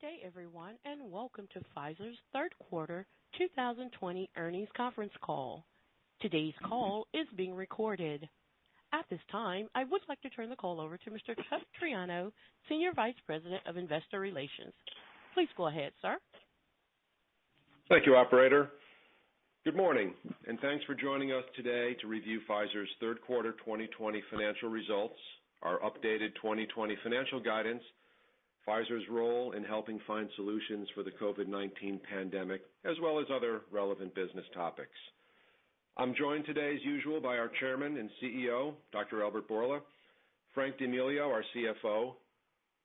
Good day, everyone. Welcome to Pfizer's third quarter 2020 earnings conference call. Today's call is being recorded. At this time, I would like to turn the call over to Mr. Chuck Triano, Senior Vice President of Investor Relations. Please go ahead, sir. Thank you, operator. Good morning, and thanks for joining us today to review Pfizer's third quarter 2020 financial results, our updated 2020 financial guidance, Pfizer's role in helping find solutions for the COVID-19 pandemic, as well as other relevant business topics. I'm joined today, as usual, by our Chairman and CEO, Dr. Albert Bourla, Frank D'Amelio, our CFO,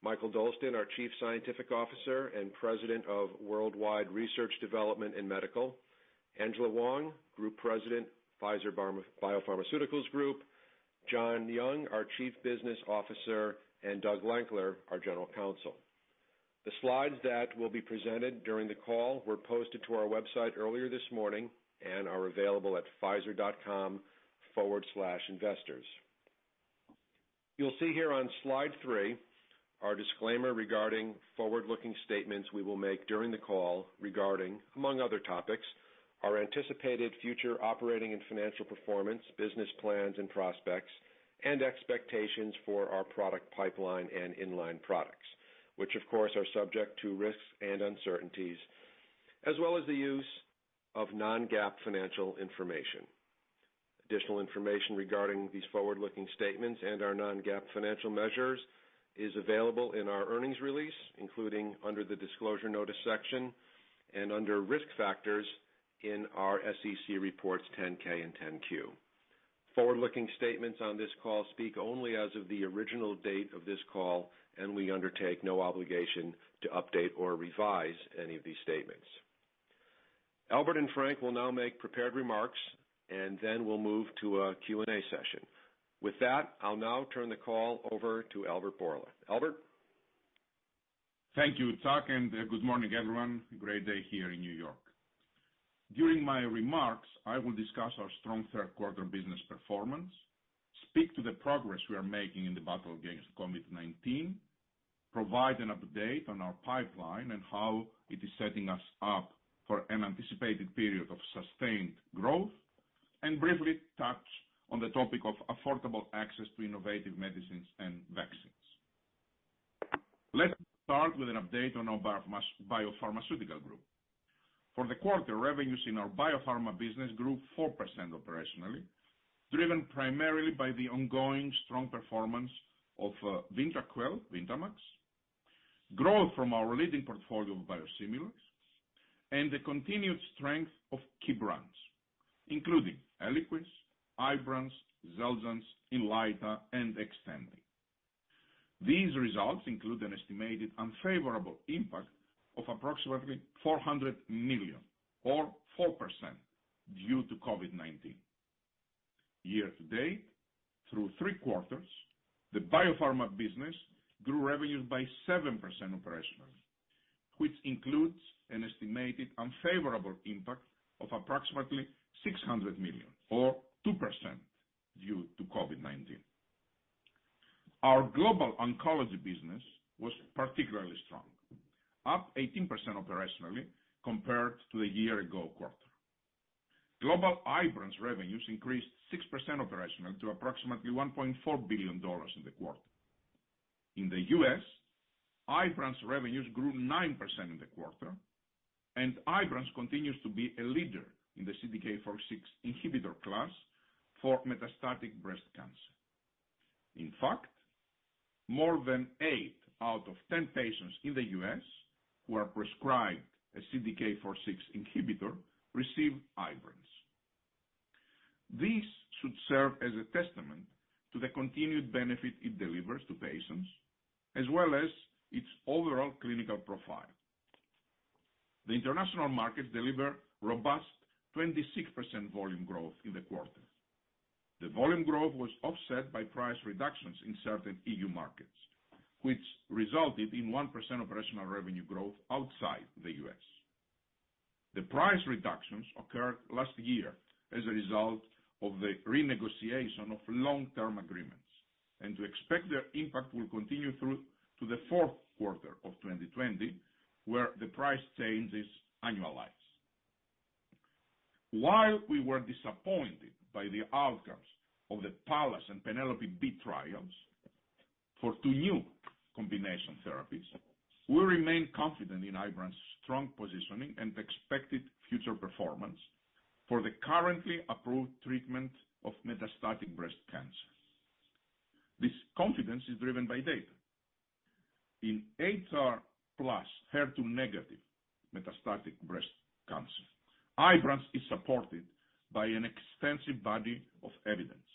Mikael Dolsten, our Chief Scientific Officer and President of Worldwide Research, Development and Medical, Angela Hwang, Group President, Pfizer Biopharmaceuticals Group, John Young, our Chief Business Officer, and Doug Lankler, our General Counsel. The slides that will be presented during the call were posted to our website earlier this morning and are available at pfizer.com/investors. You'll see here on slide three our disclaimer regarding forward-looking statements we will make during the call regarding, among other topics, our anticipated future operating and financial performance, business plans and prospects, and expectations for our product pipeline and in-line products, which of course are subject to risks and uncertainties as well as the use of non-GAAP financial information. Additional information regarding these forward-looking statements and our non-GAAP financial measures is available in our earnings release, including under the Disclosure Notice section and under Risk Factors in our SEC reports 10-K and 10-Q. Forward-looking statements on this call speak only as of the original date of this call. We undertake no obligation to update or revise any of these statements. Albert and Frank will now make prepared remarks. Then we'll move to a Q&A session. With that, I'll now turn the call over to Albert Bourla. Albert? Thank you, Chuck, and good morning, everyone. Great day here in New York. During my remarks, I will discuss our strong third quarter business performance, speak to the progress we are making in the battle against COVID-19, provide an update on our pipeline and how it is setting us up for an anticipated period of sustained growth, and briefly touch on the topic of affordable access to innovative medicines and vaccines. Let me start with an update on our Biopharmaceuticals Group. For the quarter, revenues in our biopharma business grew 4% operationally, driven primarily by the ongoing strong performance of VYNDAQEL, VYNDAMAX, growth from our leading portfolio of biosimilars, and the continued strength of key brands, including ELIQUIS, IBRANCE, XELJANZ, INLYTA and XTANDI. These results include an estimated unfavorable impact of approximately $400 million or 4% due to COVID-19. Year-to-date, through three quarters, the biopharma business grew revenues by 7% operationally, which includes an estimated unfavorable impact of approximately $600 million or 2% due to COVID-19. Our global oncology business was particularly strong, up 18% operationally compared to the year-ago quarter. Global IBRANCE revenues increased 6% operationally to approximately $1.4 billion in the quarter. In the U.S., IBRANCE revenues grew 9% in the quarter. IBRANCE continues to be a leader in the CDK4/6 inhibitor class for metastatic breast cancer. In fact, more than eight out of 10 patients in the U.S. who are prescribed a CDK4/6 inhibitor receive IBRANCE. This should serve as a testament to the continued benefit it delivers to patients as well as its overall clinical profile. The international markets deliver robust 26% volume growth in the quarter. The volume growth was offset by price reductions in certain EU markets, which resulted in 1% operational revenue growth outside the U.S. The price reductions occurred last year as a result of the renegotiation of long-term agreements. We expect their impact will continue through to the fourth quarter of 2020, where the price change is annualized. While we were disappointed by the outcomes of the PALLAS and PENELOPE-B trials for two new combination therapies, we remain confident in Ibrance's strong positioning and expected future performance for the currently approved treatment of metastatic breast cancer. This confidence is driven by data. In HR-plus HER2- negative metastatic breast cancer, Ibrance is supported by an extensive body of evidence,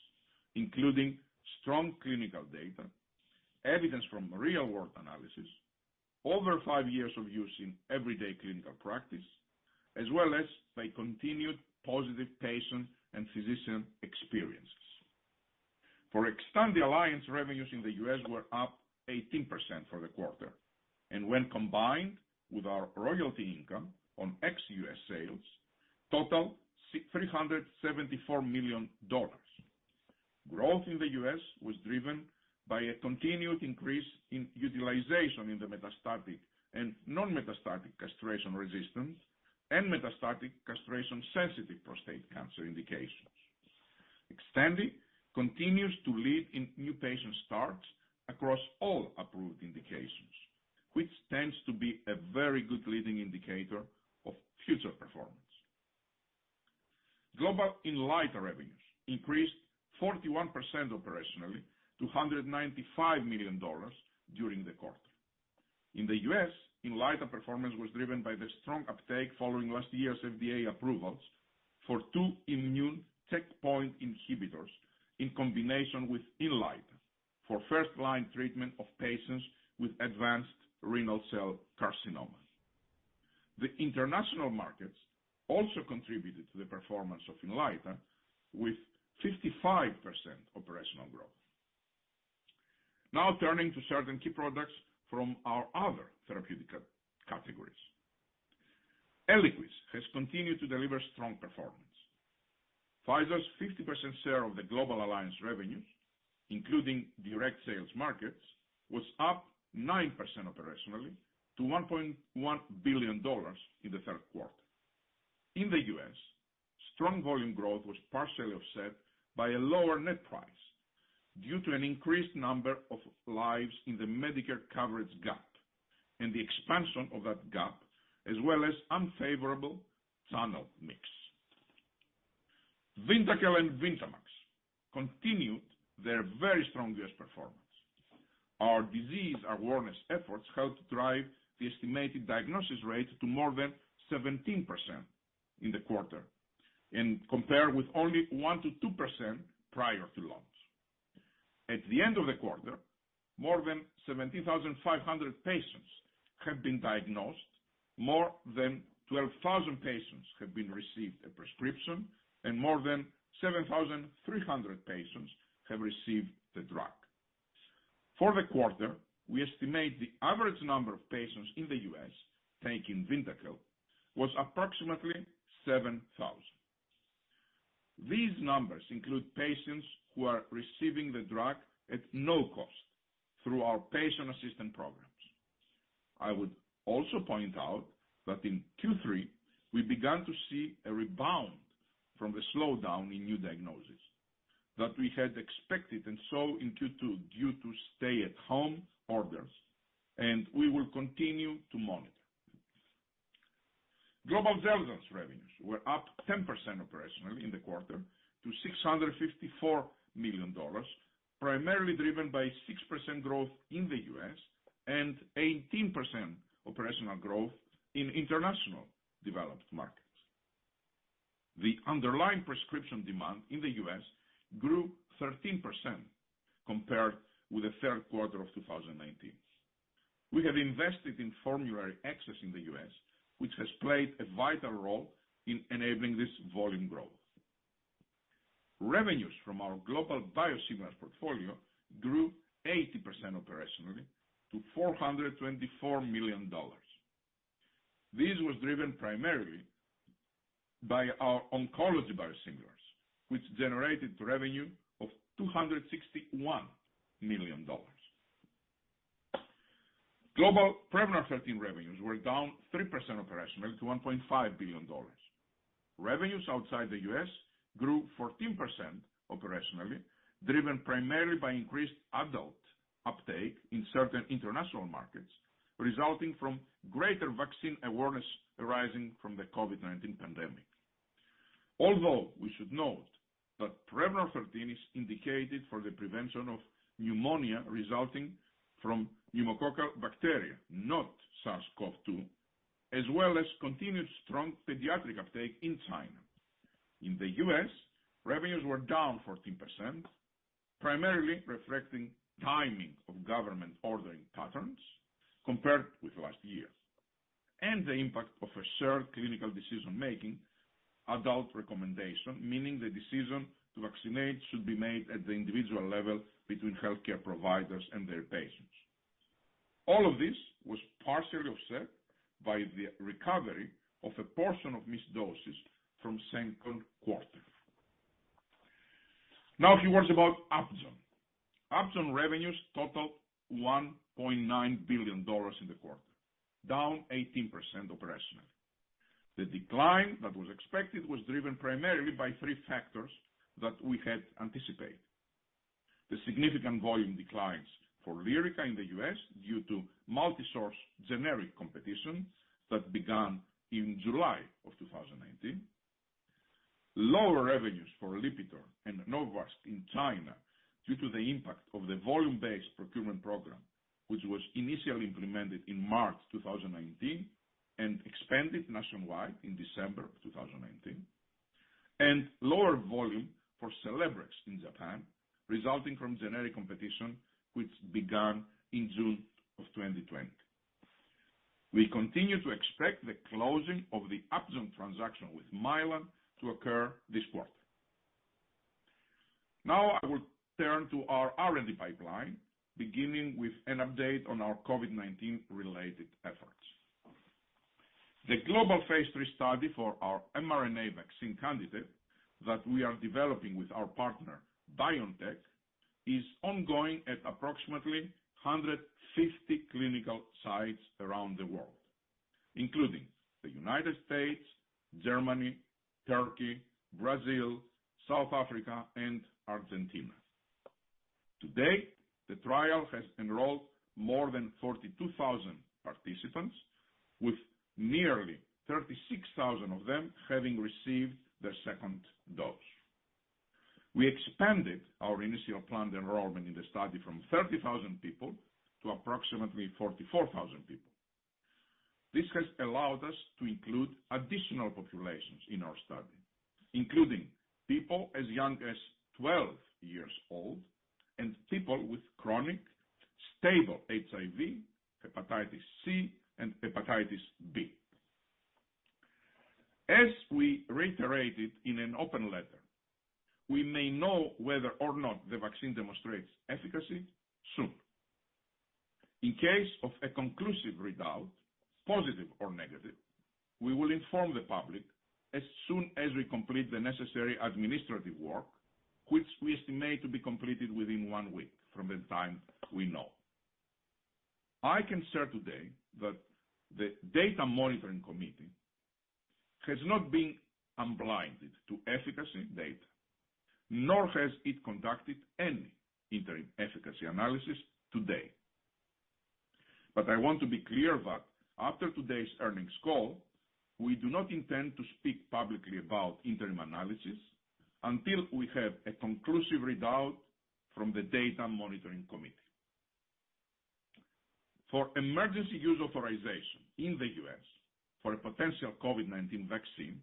including strong clinical data, evidence from real-world analysis, over five years of use in everyday clinical practice, as well as by continued positive patient and physician experiences. For XTANDI, alliance revenues in the U.S. were up 18% for the quarter, and when combined with our royalty income on ex-U.S. sales, total $374 million. Growth in the U.S. was driven by a continued increase in utilization in the metastatic and non-metastatic castration-resistant and metastatic castration-sensitive prostate cancer indications. XTANDI continues to lead in new patient starts across all approved indications, which tends to be a very good leading indicator of future performance. Global INLYTA revenues increased 41% operationally to $195 million during the quarter. In the U.S., INLYTA performance was driven by the strong uptake following last year's FDA approvals for two immune checkpoint inhibitors in combination with INLYTA for first-line treatment of patients with advanced renal cell carcinoma. The international markets also contributed to the performance of INLYTA with 55% operational growth. Turning to certain key products from our other therapeutic categories. ELIQUIS has continued to deliver strong performance. Pfizer's 50% share of the global alliance revenues, including direct sales markets, was up 9% operationally to $1.1 billion in the third quarter. In the U.S., strong volume growth was partially offset by a lower net price due to an increased number of lives in the Medicare coverage gap and the expansion of that gap, as well as unfavorable channel mix. VYNDAQEL and VYNDAMAX continued their very strong U.S. performance. Our disease awareness efforts helped drive the estimated diagnosis rate to more than 17% in the quarter, and compared with only 1%-2% prior to launch. At the end of the quarter, more than 17,500 patients have been diagnosed, more than 12,000 patients have received a prescription, and more than 7,300 patients have received the drug. For the quarter, we estimate the average number of patients in the U.S. taking VYNDAQEL was approximately 7,000. These numbers include patients who are receiving the drug at no cost through our patient assistance programs. I would also point out that in Q3, we began to see a rebound from the slowdown in new diagnosis that we had expected and saw in Q2 due to stay-at-home orders, and we will continue to monitor. Global XELJANZ revenues were up 10% operationally in the quarter to $654 million, primarily driven by 6% growth in the U.S. and 18% operational growth in international developed markets. The underlying prescription demand in the U.S. grew 13% compared with the third quarter of 2019. We have invested in formulary access in the U.S., which has played a vital role in enabling this volume growth. Revenues from our global biosimilars portfolio grew 80% operationally to $424 million. This was driven primarily by our oncology biosimilars, which generated revenue of $261 million. Global PREVNAR 13 revenues were down 3% operationally to $1.5 billion. Revenues outside the U.S. grew 14% operationally, driven primarily by increased adult uptake in certain international markets, resulting from greater vaccine awareness arising from the COVID-19 pandemic. We should note that PREVNAR 13 is indicated for the prevention of pneumonia resulting from pneumococcal bacteria, not SARS-CoV-2, as well as continued strong pediatric uptake in China. In the U.S., revenues were down 14%, primarily reflecting timing of government ordering patterns compared with last year, and the impact of a shared clinical decision-making adult recommendation, meaning the decision to vaccinate should be made at the individual level between healthcare providers and their patients. All of this was partially offset by the recovery of a portion of missed doses from second quarter. A few words about Upjohn. Upjohn revenues totaled $1.9 billion in the quarter, down 18% operationally. The decline that was expected was driven primarily by three factors that we had anticipated. The significant volume declines for LYRICA in the U.S. due to multi-source generic competition that began in July of 2019. Lower revenues for LIPITOR and NORVASC in China due to the impact of the volume-based procurement program, which was initially implemented in March 2019 and expanded nationwide in December of 2019. Lower volume for CELEBREX in Japan, resulting from generic competition, which began in June of 2020. We continue to expect the closing of the Upjohn transaction with Mylan to occur this quarter. Now I will turn to our R&D pipeline, beginning with an update on our COVID-19-related efforts. The global phase III study for our mRNA vaccine candidate that we are developing with our partner, BioNTech, is ongoing at approximately 150 clinical sites around the world, including the U.S., Germany, Turkey, Brazil, South Africa, and Argentina. To date, the trial has enrolled more than 42,000 participants, with nearly 36,000 of them having received their second dose. We expanded our initial planned enrollment in the study from 30,000 people to approximately 44,000 people. This has allowed us to include additional populations in our study, including people as young as 12 years old and people with chronic, stable HIV, hepatitis C, and hepatitis B. As we reiterated in an open letter, we may know whether or not the vaccine demonstrates efficacy soon. In case of a conclusive result, positive or negative, we will inform the public as soon as we complete the necessary administrative work, which we estimate to be completed within one week from the time we know. I can say today that the Data Monitoring Committee has not been unblinded to efficacy data, nor has it conducted any interim efficacy analysis to date. I want to be clear that after today's earnings call, we do not intend to speak publicly about interim analysis until we have a conclusive result from the Data Monitoring Committee. For Emergency Use Authorization in the U.S. for a potential COVID-19 vaccine,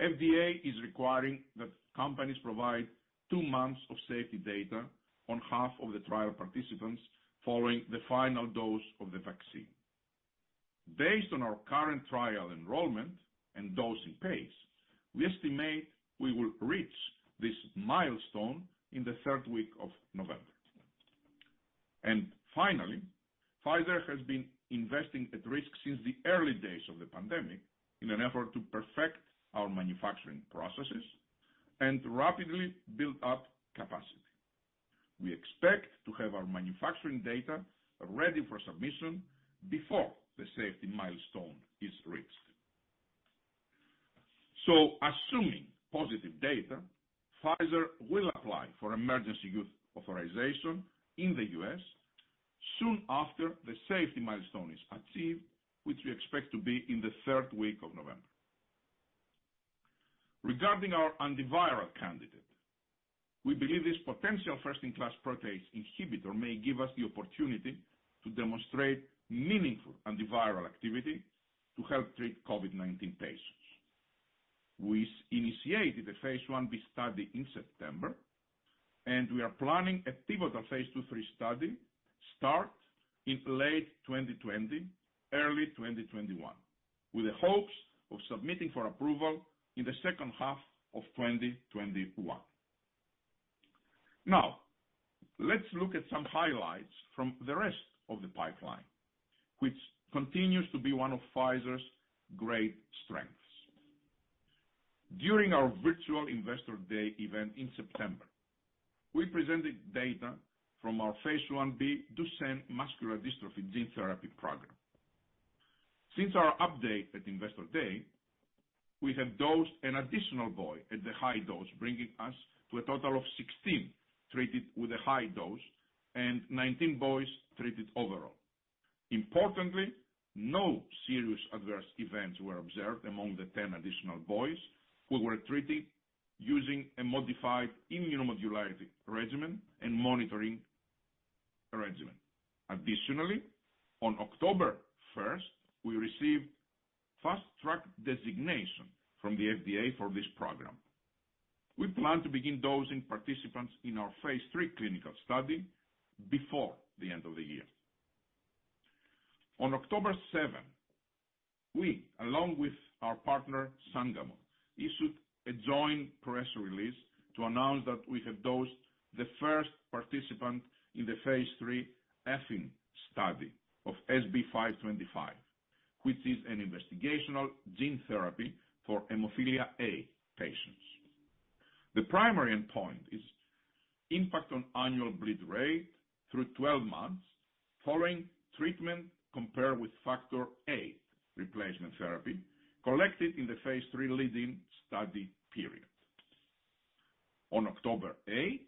FDA is requiring that companies provide two months of safety data on half of the trial participants following the final dose of the vaccine. Based on our current trial enrollment and dosing pace, we estimate we will reach this milestone in the third week of November. Finally, Pfizer has been investing at risk since the early days of the pandemic in an effort to perfect our manufacturing processes and rapidly build up capacity. We expect to have our manufacturing data ready for submission before the safety milestone is reached. Assuming positive data, Pfizer will apply for emergency use authorization in the U.S. soon after the safety milestone is achieved, which we expect to be in the third week of November. Regarding our antiviral candidate, we believe this potential first-in-class protease inhibitor may give us the opportunity to demonstrate meaningful antiviral activity to help treat COVID-19 patients. We initiated a phase I-B study in September, and we are planning a pivotal phase II/III study start in late 2020, early 2021, with the hopes of submitting for approval in the second half of 2021. Let's look at some highlights from the rest of the pipeline, which continues to be one of Pfizer's great strengths. During our virtual Investor Day event in September, we presented data from our phase I-B Duchenne muscular dystrophy gene therapy program. Since our update at Investor Day, we have dosed an additional boy at the high dose, bringing us to a total of 16 treated with a high dose and 19 boys treated overall. Importantly, no serious adverse events were observed among the 10 additional boys who were treated using a modified immunomodulatory regimen and monitoring regimen. On October 1st, we received Fast Track designation from the FDA for this program. We plan to begin dosing participants in our phase III clinical study before the end of the year. On October 7, we, along with our partner, Sangamo, issued a joint press release to announce that we have dosed the first participant in the phase III AFFINE study of SB-525, which is an investigational gene therapy for hemophilia A patients. The primary endpoint is impact on annual bleed rate through 12 months following treatment compared with factor VIII replacement therapy collected in the phase III lead-in study period. On October 8th,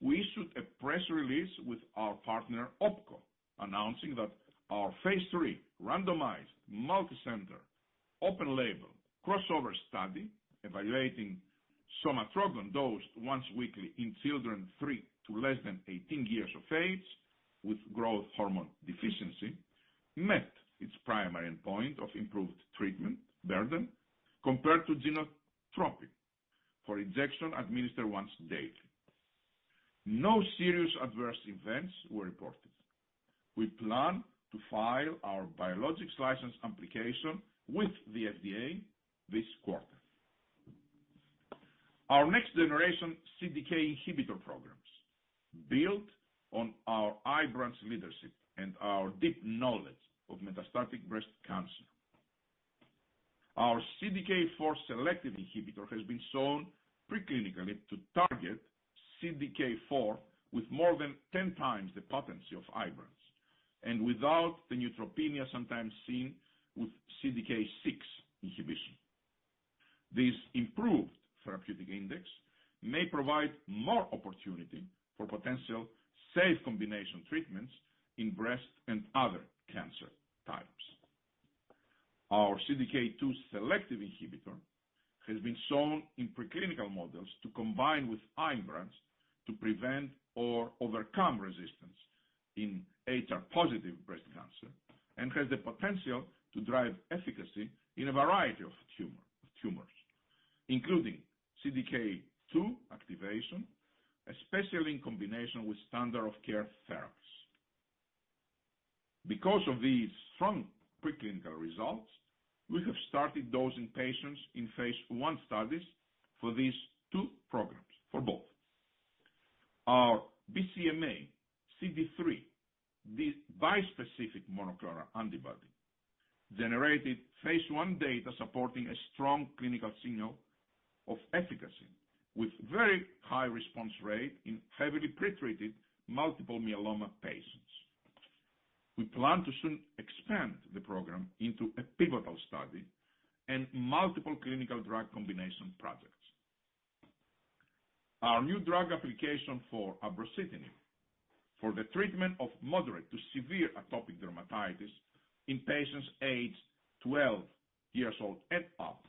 we issued a press release with our partner, OPKO, announcing that our phase III randomized, multicenter, open-label, crossover study evaluating somatropin dosed once weekly in children three to less than 18 years of age with growth hormone deficiency met its primary endpoint of improved treatment burden compared to Genotropin for injection administered once daily. No serious adverse events were reported. We plan to file our Biologics License Application with the FDA this quarter. Our next generation CDK inhibitor programs build on our IBRANCE leadership and our deep knowledge of metastatic breast cancer. Our CDK4 selective inhibitor has been shown pre-clinically to target CDK4 with more than 10 times the potency of IBRANCE, and without the neutropenia sometimes seen with CDK6 inhibition. This improved therapeutic index may provide more opportunity for potential safe combination treatments in breast and other cancer types. Our CDK2 selective inhibitor has been shown in pre-clinical models to combine with IBRANCE to prevent or overcome resistance in HR-positive breast cancer and has the potential to drive efficacy in a variety of tumors, including CDK2 activation, especially in combination with standard of care therapies. Because of these strong pre-clinical results, we have started dosing patients in phase I studies for these two programs, for both. Our BCMA-CD3, this bispecific monoclonal antibody, generated phase I data supporting a strong clinical signal of efficacy with very high response rate in heavily pre-treated multiple myeloma patients. We plan to soon expand the program into a pivotal study and multiple clinical drug combination projects. Our new drug application for abrocitinib for the treatment of moderate to severe atopic dermatitis in patients aged 12 years old and up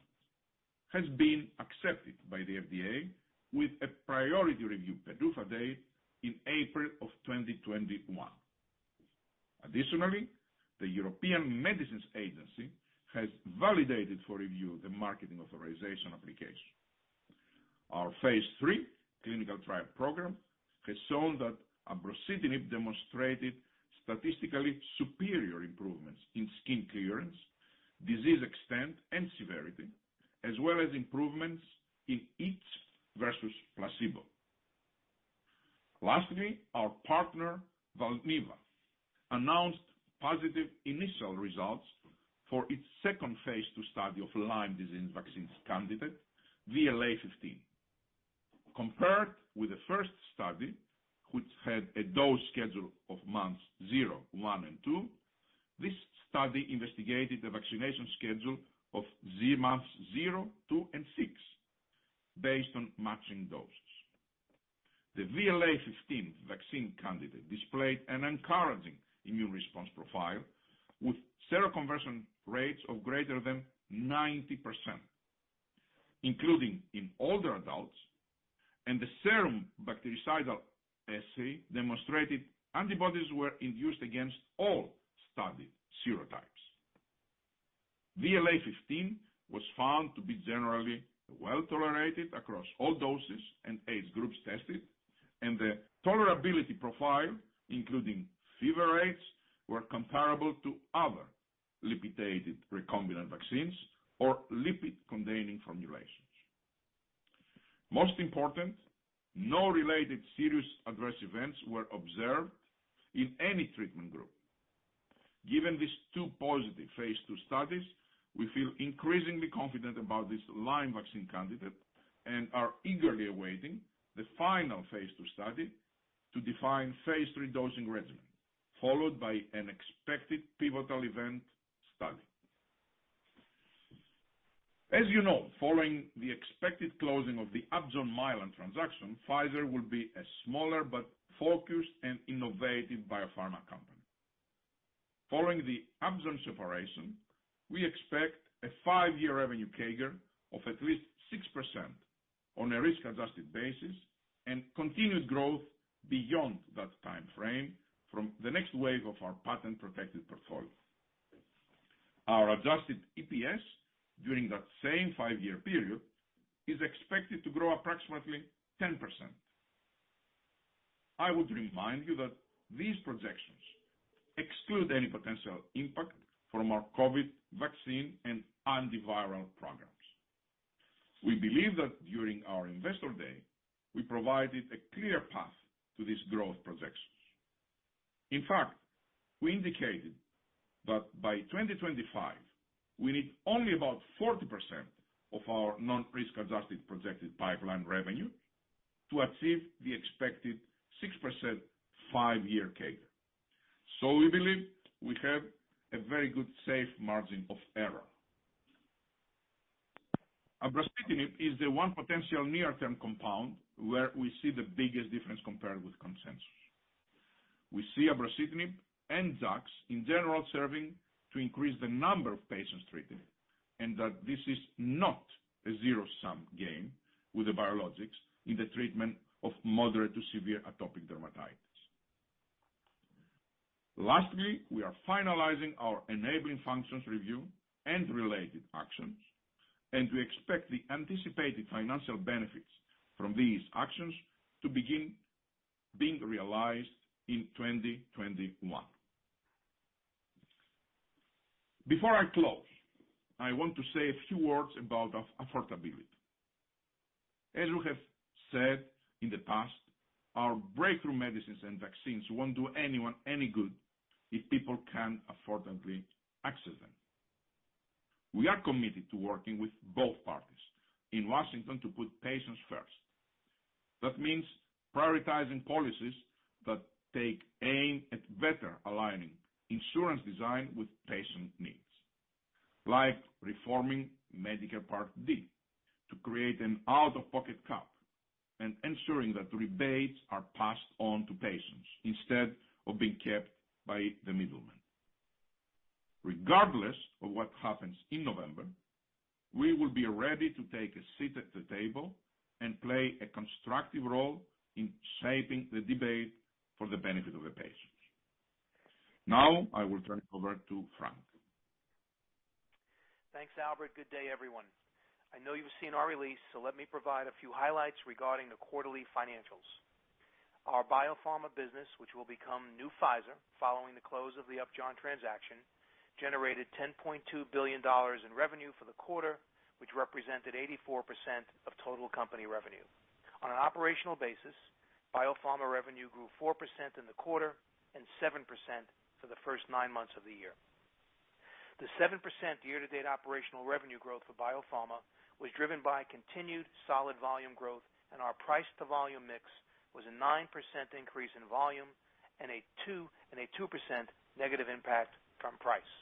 has been accepted by the FDA with a priority review PDUFA date in April 2021. The European Medicines Agency has validated for review the marketing authorisation application. Our phase III clinical trial program has shown that abrocitinib demonstrated statistically superior improvements in skin clearance, disease extent, and severity, as well as improvements in itch versus placebo. Our partner, Valneva, announced positive initial results for its second phase II study of Lyme disease vaccine candidate VLA15. Compared with the first study, which had a dose schedule of months zero, one, and two, this study investigated the vaccination schedule of months zero, two, and six based on matching doses. The VLA15 vaccine candidate displayed an encouraging immune response profile with seroconversion rates of greater than 90%, including in older adults, and the serum bactericidal assay demonstrated antibodies were induced against all studied serotypes. VLA15 was found to be generally well-tolerated across all doses and age groups tested, and the tolerability profile, including fever rates, were comparable to other lipidated recombinant vaccines or lipid-containing formulations. Most important, no related serious adverse events were observed in any treatment group. Given these two positive phase II studies, we feel increasingly confident about this Lyme vaccine candidate and are eagerly awaiting the final phase II study to define phase III dosing regimen, followed by an expected pivotal event study. As you know, following the expected closing of the Upjohn-Mylan transaction, Pfizer will be a smaller but focused and innovative biopharma company. Following the Upjohn separation, we expect a five-year revenue CAGR of at least 6% on a risk-adjusted basis and continued growth beyond that time frame from the next wave of our patent-protected portfolio. Our adjusted EPS during that same five-year period is expected to grow approximately 10%. I would remind you that these projections exclude any potential impact from our COVID vaccine and antiviral programs. We believe that during our investor day, we provided a clear path to these growth projections. In fact, we indicated that by 2025, we need only about 40% of our non-risk-adjusted projected pipeline revenue to achieve the expected 6% five-year CAGR. We believe we have a very good safe margin of error. Abrocitinib is the one potential near-term compound where we see the biggest difference compared with consensus. We see abrocitinib and JAKs, in general, serving to increase the number of patients treated, and that this is not a zero-sum game with the biologics in the treatment of moderate to severe atopic dermatitis. Lastly, we are finalizing our enabling functions review and related actions, and we expect the anticipated financial benefits from these actions to begin being realized in 2021. Before I close, I want to say a few words about affordability. As we have said in the past, our breakthrough medicines and vaccines won't do anyone any good if people can't affordably access them. We are committed to working with both parties in Washington to put patients first. That means prioritizing policies that take aim at better aligning insurance design with patient needs, like reforming Medicare Part D to create an out-of-pocket cap and ensuring that rebates are passed on to patients instead of being kept by the middlemen. Regardless of what happens in November, we will be ready to take a seat at the table and play a constructive role in shaping the debate for the benefit of the patients. Now, I will turn it over to Frank. Thanks, Albert. Good day, everyone. I know you've seen our release, let me provide a few highlights regarding the quarterly financials. Our BioPharma business, which will become New Pfizer following the close of the Upjohn transaction, generated $10.2 billion in revenue for the quarter, which represented 84% of total company revenue. On an operational basis, BioPharma revenue grew 4% in the quarter and 7% for the first nine months of the year. The 7% year-to-date operational revenue growth for BioPharma was driven by continued solid volume growth, and our price to volume mix was a 9% increase in volume and a 2% negative impact from price.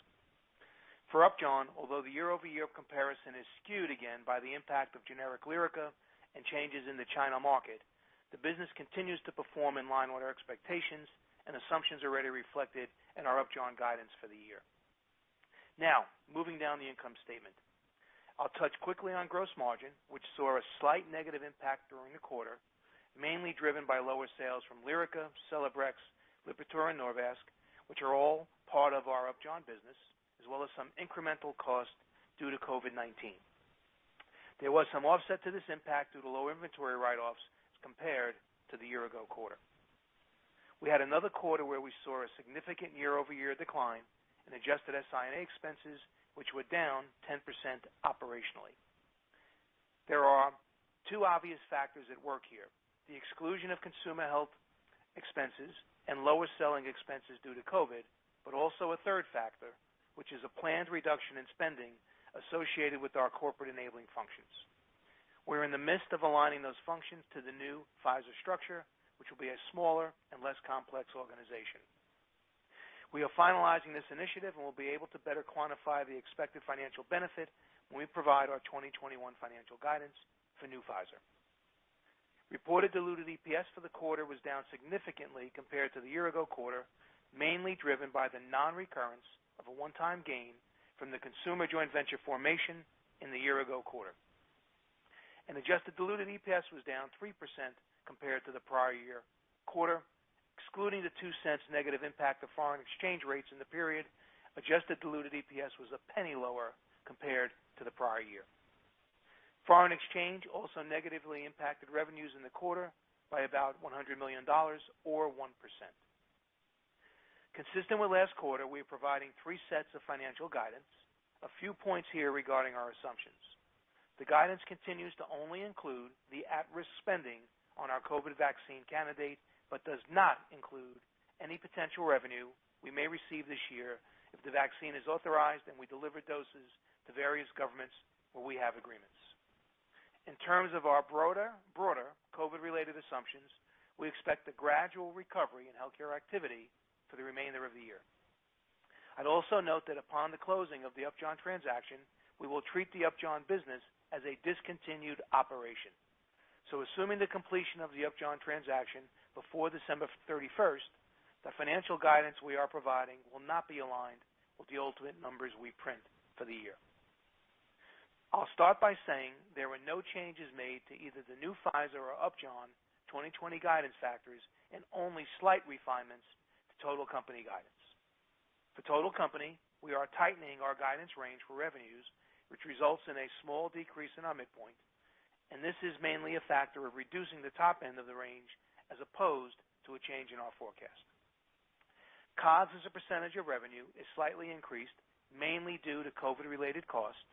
For Upjohn, although the year-over-year comparison is skewed again by the impact of generic LYRICA and changes in the China market, the business continues to perform in line with our expectations and assumptions already reflected in our Upjohn guidance for the year. Moving down the income statement. I'll touch quickly on gross margin, which saw a slight negative impact during the quarter, mainly driven by lower sales from LYRICA, CELEBREX, LIPITOR, and NORVASC, which are all part of our Upjohn business, as well as some incremental cost due to COVID-19. There was some offset to this impact due to lower inventory write-offs compared to the year-ago quarter. We had another quarter where we saw a significant year-over-year decline in adjusted SI&A expenses, which were down 10% operationally. There are two obvious factors at work here, the exclusion of consumer health expenses and lower selling expenses due to COVID, also a third factor, which is a planned reduction in spending associated with our corporate enabling functions. We're in the midst of aligning those functions to the new Pfizer structure, which will be a smaller and less complex organization. We are finalizing this initiative and will be able to better quantify the expected financial benefit when we provide our 2021 financial guidance for new Pfizer. Reported diluted EPS for the quarter was down significantly compared to the year-ago quarter, mainly driven by the non-recurrence of a one-time gain from the consumer joint venture formation in the year-ago quarter. Adjusted diluted EPS was down 3% compared to the prior year quarter. Excluding the $0.02 negative impact of foreign exchange rates in the period, adjusted diluted EPS was $0.01 lower compared to the prior year. Foreign exchange also negatively impacted revenues in the quarter by about $100 million or 1%. Consistent with last quarter, we are providing three sets of financial guidance. A few points here regarding our assumptions. The guidance continues to only include the at-risk spending on our COVID vaccine candidate, does not include any potential revenue we may receive this year if the vaccine is authorized and we deliver doses to various governments where we have agreements. In terms of our broader COVID-related assumptions, we expect a gradual recovery in healthcare activity for the remainder of the year. I'd also note that upon the closing of the Upjohn transaction, we will treat the Upjohn business as a discontinued operation. Assuming the completion of the Upjohn transaction before December 31st, the financial guidance we are providing will not be aligned with the ultimate numbers we print for the year. I'll start by saying there were no changes made to either the new Pfizer or Upjohn 2020 guidance factors and only slight refinements to total company guidance. For total company, we are tightening our guidance range for revenues, which results in a small decrease in our midpoint. This is mainly a factor of reducing the top end of the range as opposed to a change in our forecast. COGS as a % of revenue is slightly increased, mainly due to COVID-related costs,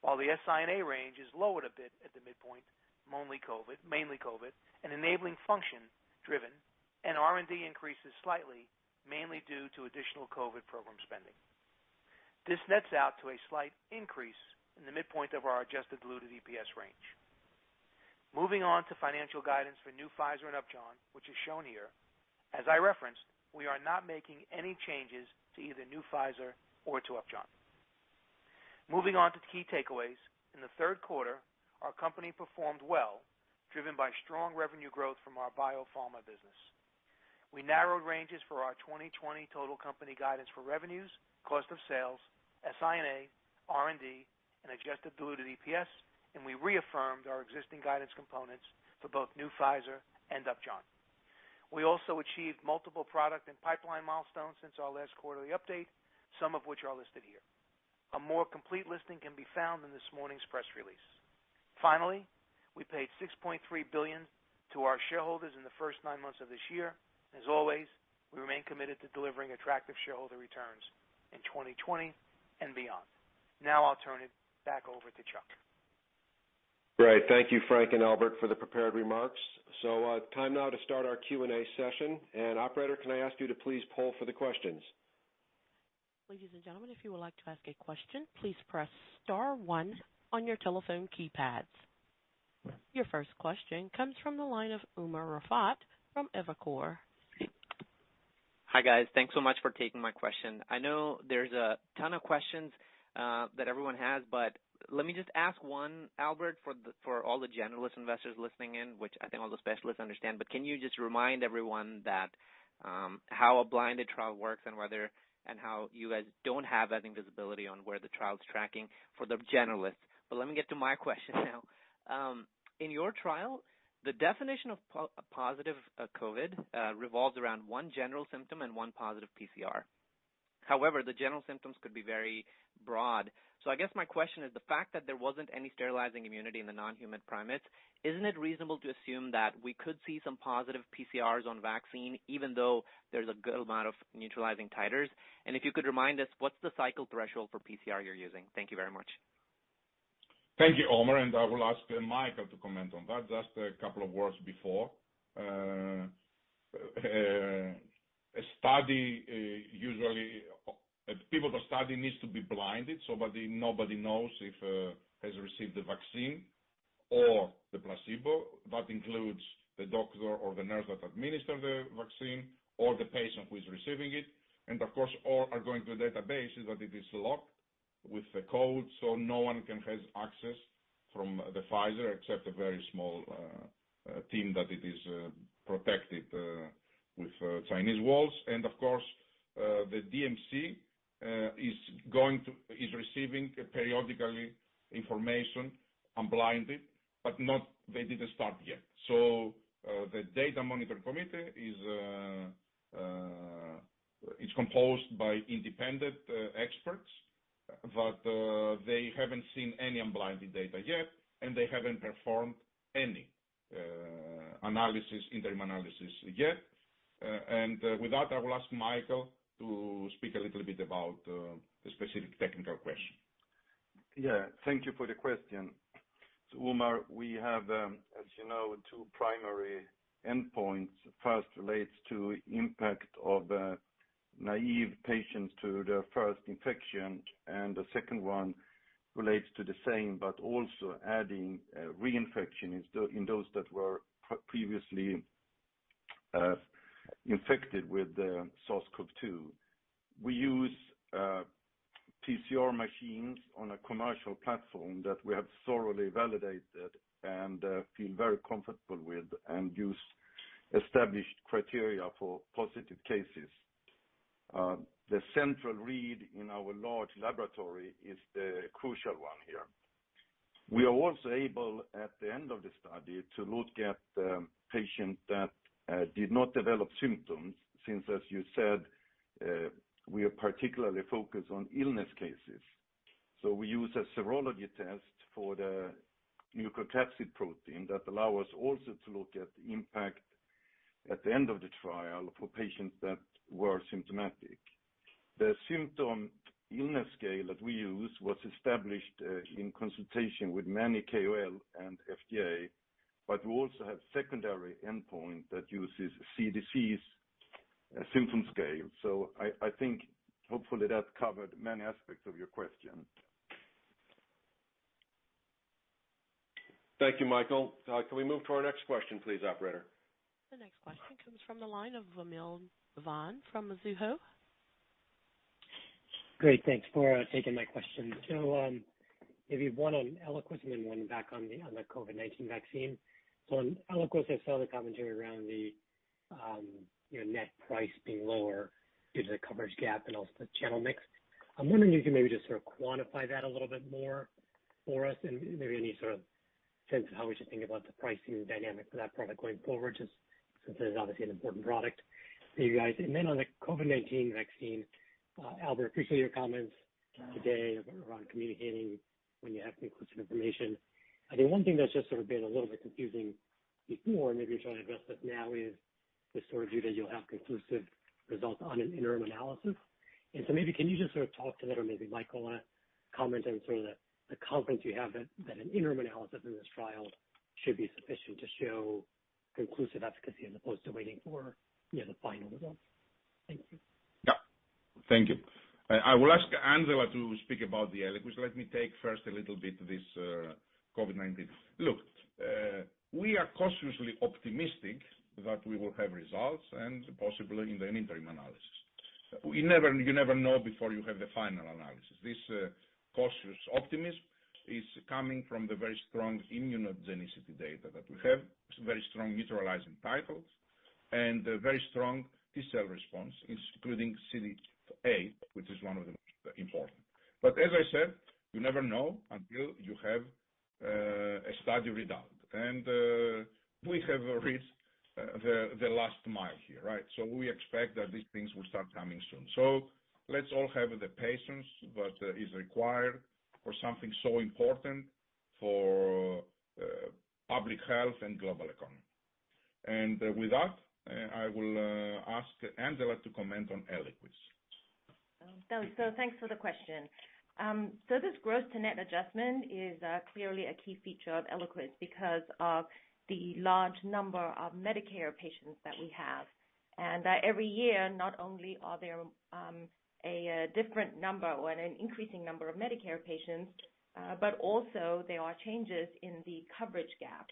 while the SI&A range is lowered a bit at the midpoint, mainly COVID and enabling function-driven. R&D increases slightly, mainly due to additional COVID program spending. This nets out to a slight increase in the midpoint of our adjusted diluted EPS range. Moving on to financial guidance for new Pfizer and Upjohn, which is shown here. As I referenced, we are not making any changes to either new Pfizer or to Upjohn. Moving on to key takeaways. In the third quarter, our company performed well, driven by strong revenue growth from our BioPharma business. We narrowed ranges for our 2020 total company guidance for revenues, cost of sales, SI&A, R&D, and adjusted diluted EPS, and we reaffirmed our existing guidance components for both new Pfizer and Upjohn. We also achieved multiple product and pipeline milestones since our last quarterly update, some of which are listed here. A more complete listing can be found in this morning's press release. Finally, we paid $6.3 billion to our shareholders in the first nine months of this year. As always, we remain committed to delivering attractive shareholder returns in 2020 and beyond. Now I'll turn it back over to Chuck. Great. Thank you, Frank and Albert, for the prepared remarks. Time now to start our Q&A session. Operator, can I ask you to please poll for the questions? Your first question comes from the line of Umer Raffat from Evercore. Hi, guys. Thanks so much for taking my question. I know there's a ton of questions that everyone has, but let me just ask one, Albert, for all the generalist investors listening in, which I think all the specialists understand, but can you just remind everyone how a blinded trial works and how you guys don't have that visibility on where the trial's tracking for the generalists? Let me get to my question now. In your trial, the definition of positive COVID revolves around one general symptom and one positive PCR. However, the general symptoms could be very broad. I guess my question is the fact that there wasn't any sterilizing immunity in the non-human primates, isn't it reasonable to assume that we could see some positive PCRs on vaccine even though there's a good amount of neutralizing titers? If you could remind us what's the cycle threshold for PCR you're using? Thank you very much. Thank you, Umer, I will ask Mikael to comment on that. Just a couple of words before. A study, usually people, the study needs to be blinded, so nobody knows if has received the vaccine or the placebo. That includes the doctor or the nurse that administer the vaccine or the patient who is receiving it. Of course, all are going to databases that it is locked with the code so no one can have access from Pfizer except a very small team, that it is protected with Chinese walls. Of course, the DMC is receiving periodically information unblinded, but they didn't start yet. The Data Monitoring Committee is composed by independent experts, but they haven't seen any unblinded data yet, and they haven't performed any interim analysis yet. With that, I will ask Mikael to speak a little bit about the specific technical question. Thank you for the question. Umer, we have, as you know, two primary endpoints. First relates to impact of naive patients to their first infection, the second one relates to the same, but also adding reinfection in those that were previously infected with SARS-CoV-2. We use PCR machines on a commercial platform that we have thoroughly validated and feel very comfortable with and use established criteria for positive cases. The central read in our large laboratory is the crucial one here. We are also able, at the end of the study, to look at the patient that did not develop symptoms, since, as you said, we are particularly focused on illness cases. We use a serology test for the nucleocapsid protein that allow us also to look at impact at the end of the trial for patients that were symptomatic. The symptom illness scale that we use was established in consultation with many KOL and FDA, but we also have secondary endpoint that uses CDC's symptom scale. I think hopefully that covered many aspects of your question. Thank you, Mikael. Can we move to our next question, please, operator? The next question comes from the line of Vamil Divan from Mizuho. Great. Thanks for taking my question. Maybe one on ELIQUIS and then one back on the COVID-19 vaccine. On ELIQUIS, I saw the commentary around the net price being lower due to the coverage gap and also the channel mix. I'm wondering if you can maybe just sort of quantify that a little bit more for us and maybe any sort of sense of how we should think about the pricing dynamic for that product going forward, just since it is obviously an important product for you guys. Then on the COVID-19 vaccine, Albert, appreciate your comments today around communicating when you have conclusive information. I think one thing that's just sort of been a little bit confusing before, and maybe you're trying to address it now, is the sort of view that you'll have conclusive results on an interim analysis. Maybe can you just sort of talk to that or maybe Mikael want to comment on sort of the confidence you have that an interim analysis in this trial should be sufficient to show conclusive efficacy as opposed to waiting for the final results? Thank you. Yeah. Thank you. I will ask Angela to speak about the ELIQUIS. Let me take first a little bit this COVID-19. We are cautiously optimistic that we will have results and possibly in the interim analysis. You never know before you have the final analysis. This cautious optimism is coming from the very strong immunogenicity data that we have. It's very strong neutralizing titers and very strong T-cell response, including CD8, which is one of the most important. As I said, you never know until you have a study readout. We have reached the last mile here, right? We expect that these things will start coming soon. Let's all have the patience that is required for something so important for public health and global economy. With that, I will ask Angela to comment on ELIQUIS. Thanks for the question. This gross-to-net adjustment is clearly a key feature of ELIQUIS because of the large number of Medicare patients that we have. Every year, not only are there a different number or an increasing number of Medicare patients, but also there are changes in the coverage gap.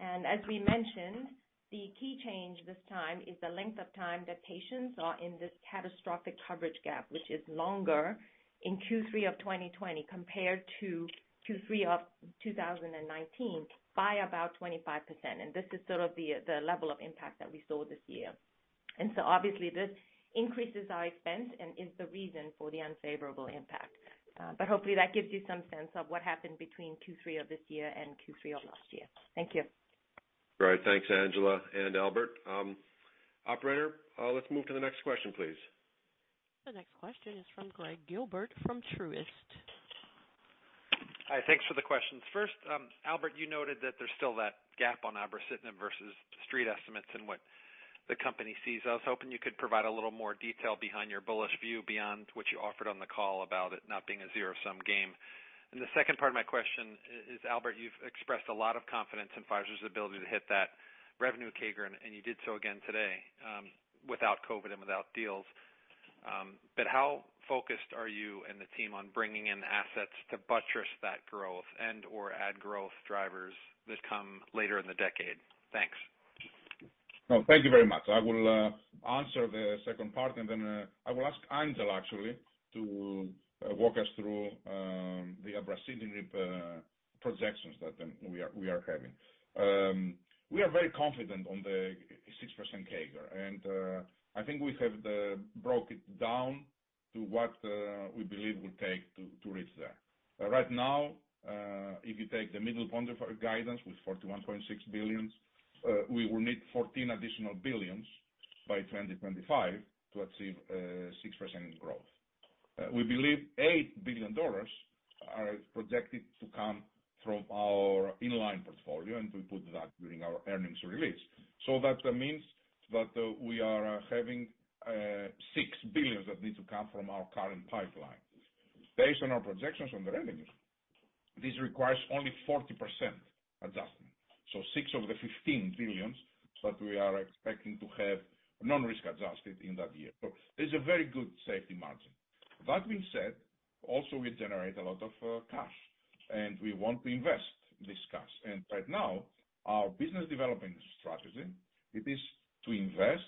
As we mentioned, the key change this time is the length of time that patients are in this catastrophic coverage gap, which is longer in Q3 of 2020 compared to Q3 of 2019 by about 25%. This is sort of the level of impact that we saw this year. Obviously, this increases our expense and is the reason for the unfavorable impact. Hopefully that gives you some sense of what happened between Q3 of this year and Q3 of last year. Thank you. Great. Thanks, Angela and Albert. Operator, let's move to the next question, please. The next question is from Gregg Gilbert from Truist. Hi. Thanks for the questions. First, Albert, you noted that there's still that gap on abrocitinib versus Street estimates and what the company sees. I was hoping you could provide a little more detail behind your bullish view beyond what you offered on the call about it not being a zero-sum game. The second part of my question is, Albert, you've expressed a lot of confidence in Pfizer's ability to hit that revenue CAGR, and you did so again today, without COVID and without deals. How focused are you and the team on bringing in assets to buttress that growth and/or add growth drivers that come later in the decade? Thanks. No, thank you very much. I will answer the second part and then I will ask Angela actually to walk us through the abrocitinib projections that we are having. We are very confident on the 6% CAGR. I think we have broke it down to what we believe it would take to reach there. Right now, if you take the middle point of our guidance with $41.6 billion, we will need $14 billion by 2025 to achieve 6% growth. We believe $8 billion are projected to come from our in-line portfolio. We put that during our earnings release. That means that we are having $6 billion that need to come from our current pipeline. Based on our projections on the revenues, this requires only 40% adjustment. Six of the $15 billion that we are expecting to have non-risk-adjusted in that year. There's a very good safety margin. That being said, also we generate a lot of cash, and we want to invest this cash. Right now, our business development strategy, it is to invest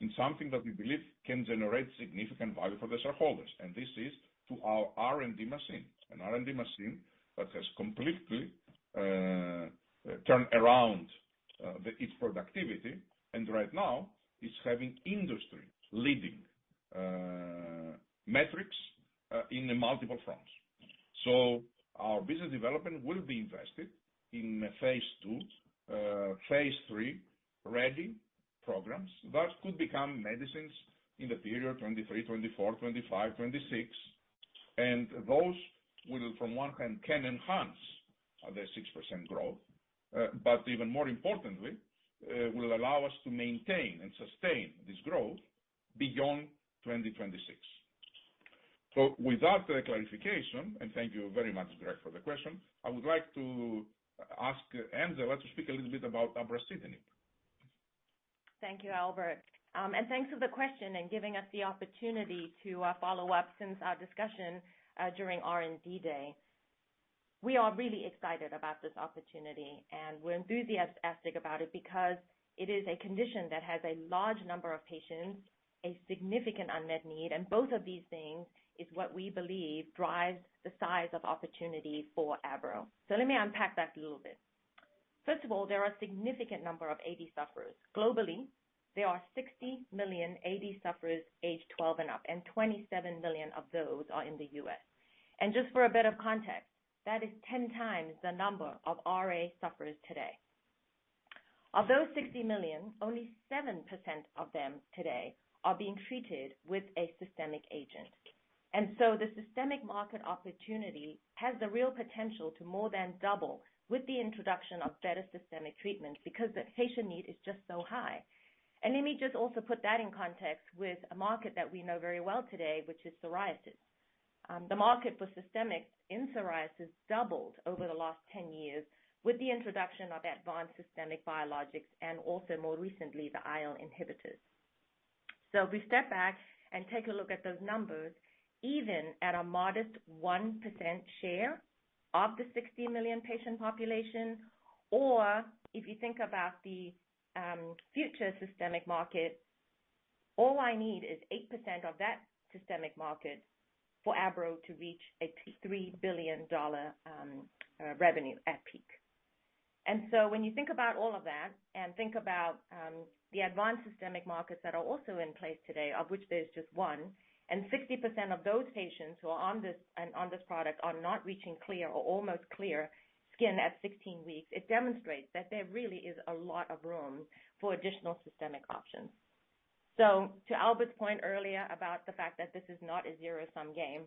in something that we believe can generate significant value for the shareholders, and this is to our R&D machine. An R&D machine that has completely turned around its productivity and right now is having industry-leading metrics in multiple fronts. Our business development will be invested in phase II, phase III-ready programs that could become medicines in the period 2023, 2024, 2025, 2026. Those will, from one hand, can enhance the 6% growth, but even more importantly, will allow us to maintain and sustain this growth beyond 2026. With that clarification, and thank you very much, Gregg, for the question, I would like to ask Angela to speak a little bit about abrocitinib. Thank you, Albert. Thanks for the question and giving us the opportunity to follow up since our discussion during R&D Day. We are really excited about this opportunity, we're enthusiastic about it because it is a condition that has a large number of patients, a significant unmet need, and both of these things is what we believe drives the size of opportunity for abro. Let me unpack that a little bit. First of all, there are significant number of AD sufferers. Globally, there are 60 million AD sufferers aged 12 and up, 27 million of those are in the U.S. Just for a bit of context, that is 10 times the number of RA sufferers today. Of those 60 million, only 7% of them today are being treated with a systemic agent. The systemic market opportunity has the real potential to more than double with the introduction of better systemic treatment because the patient need is just so high. Let me just also put that in context with a market that we know very well today, which is psoriasis. The market for systemic in psoriasis doubled over the last 10 years with the introduction of advanced systemic biologics and also more recently, the IL inhibitors. If we step back and take a look at those numbers, even at a modest 1% share of the 60 million patient population, or if you think about the future systemic market, all I need is 8% of that systemic market for abro to reach a $3 billion revenue at peak. When you think about all of that and think about the advanced systemic markets that are also in place today, of which there's just one, and 60% of those patients who are on this product are not reaching clear or almost clear skin at 16 weeks, it demonstrates that there really is a lot of room for additional systemic options. To Albert's point earlier about the fact that this is not a zero-sum game,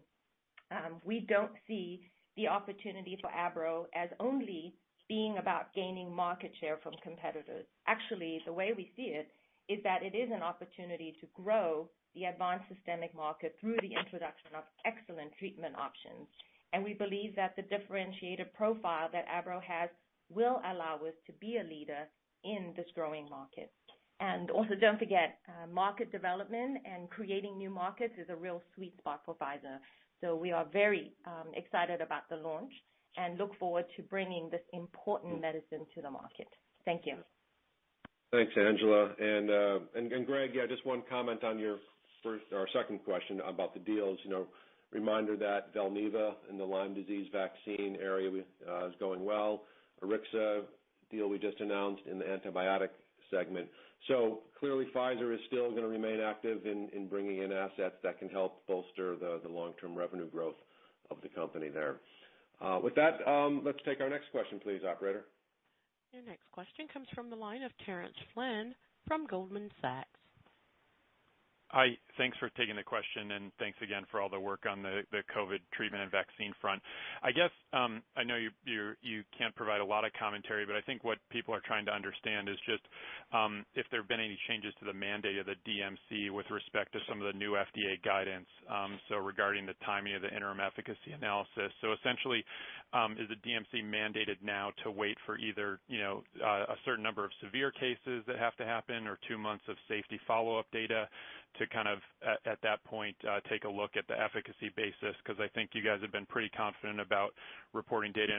we don't see the opportunity for abro as only being about gaining market share from competitors. Actually, the way we see it is that it is an opportunity to grow the advanced systemic market through the introduction of excellent treatment options. And we believe that the differentiator profile that abro has will allow us to be a leader in this growing market. Also, don't forget, market development and creating new markets is a real sweet spot for Pfizer. We are very excited about the launch and look forward to bringing this important medicine to the market. Thank you. Thanks, Angela. Gregg, yeah, just one comment on your second question about the deals. Reminder that Valneva in the Lyme disease vaccine area is going well. Arixa deal we just announced in the antibiotic segment. Clearly Pfizer is still going to remain active in bringing in assets that can help bolster the long-term revenue growth of the company there. With that, let's take our next question please, operator. Your next question comes from the line of Terence Flynn from Goldman Sachs. Hi, thanks for taking the question, and thanks again for all the work on the COVID treatment and vaccine front. I guess, I know you can't provide a lot of commentary, but I think what people are trying to understand is just if there have been any changes to the mandate of the DMC with respect to some of the new FDA guidance, so regarding the timing of the interim efficacy analysis. Essentially, is the DMC mandated now to wait for either a certain number of severe cases that have to happen or two months of safety follow-up data to at that point take a look at the efficacy basis? I think you guys have been pretty confident about reporting data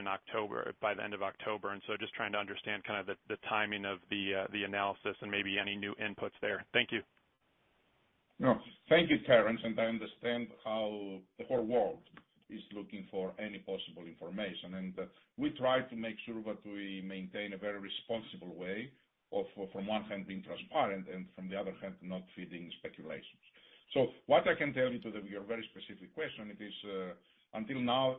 by the end of October. Just trying to understand the timing of the analysis and maybe any new inputs there. Thank you. No. Thank you, Terence. I understand how the whole world is looking for any possible information. I try to make sure that we maintain a very responsible way of, from one hand being transparent, and from the other hand, not feeding speculations. What I can tell you to your very specific question is, until now,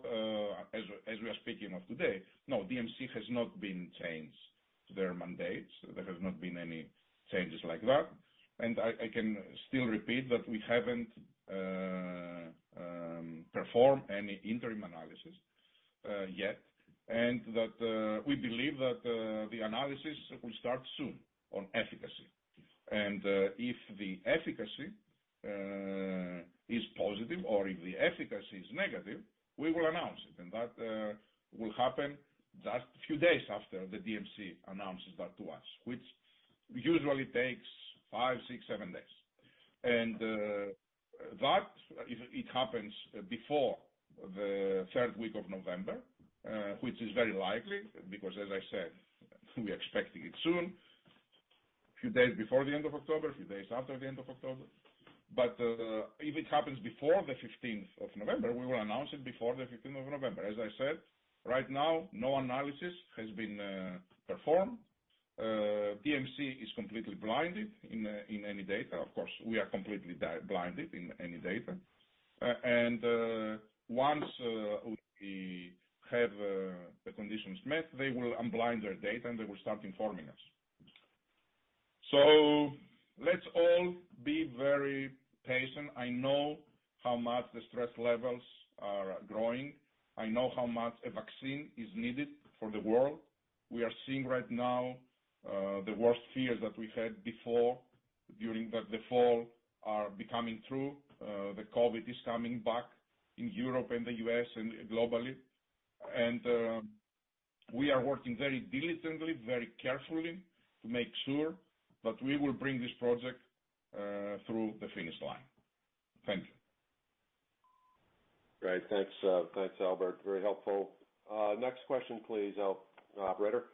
as we are speaking of today, no, DMC has not been changed their mandates. There has not been any changes like that. I can still repeat that we haven't performed any interim analysis yet. We believe that the analysis will start soon on efficacy. If the efficacy is positive or if the efficacy is negative, we will announce it. That will happen just a few days after the DMC announces that to us, which usually takes five, six, seven days. That, it happens before the third week of November, which is very likely, because as I said, we are expecting it soon, a few days before the end of October, a few days after the end of October. If it happens before the 15th of November, we will announce it before the 15th of November. As I said, right now, no analysis has been performed. DMC is completely blinded in any data. Of course, we are completely blinded in any data. Once we have the conditions met, they will unblind their data, and they will start informing us. Let's all be very patient. I know how much the stress levels are growing. I know how much a vaccine is needed for the world. We are seeing right now the worst fears that we had before during the fall are becoming true. The COVID is coming back in Europe and the U.S. and globally. We are working very diligently, very carefully to make sure that we will bring this project through the finish line. Thank you. Great. Thanks, Albert. Very helpful. Next question please, operator.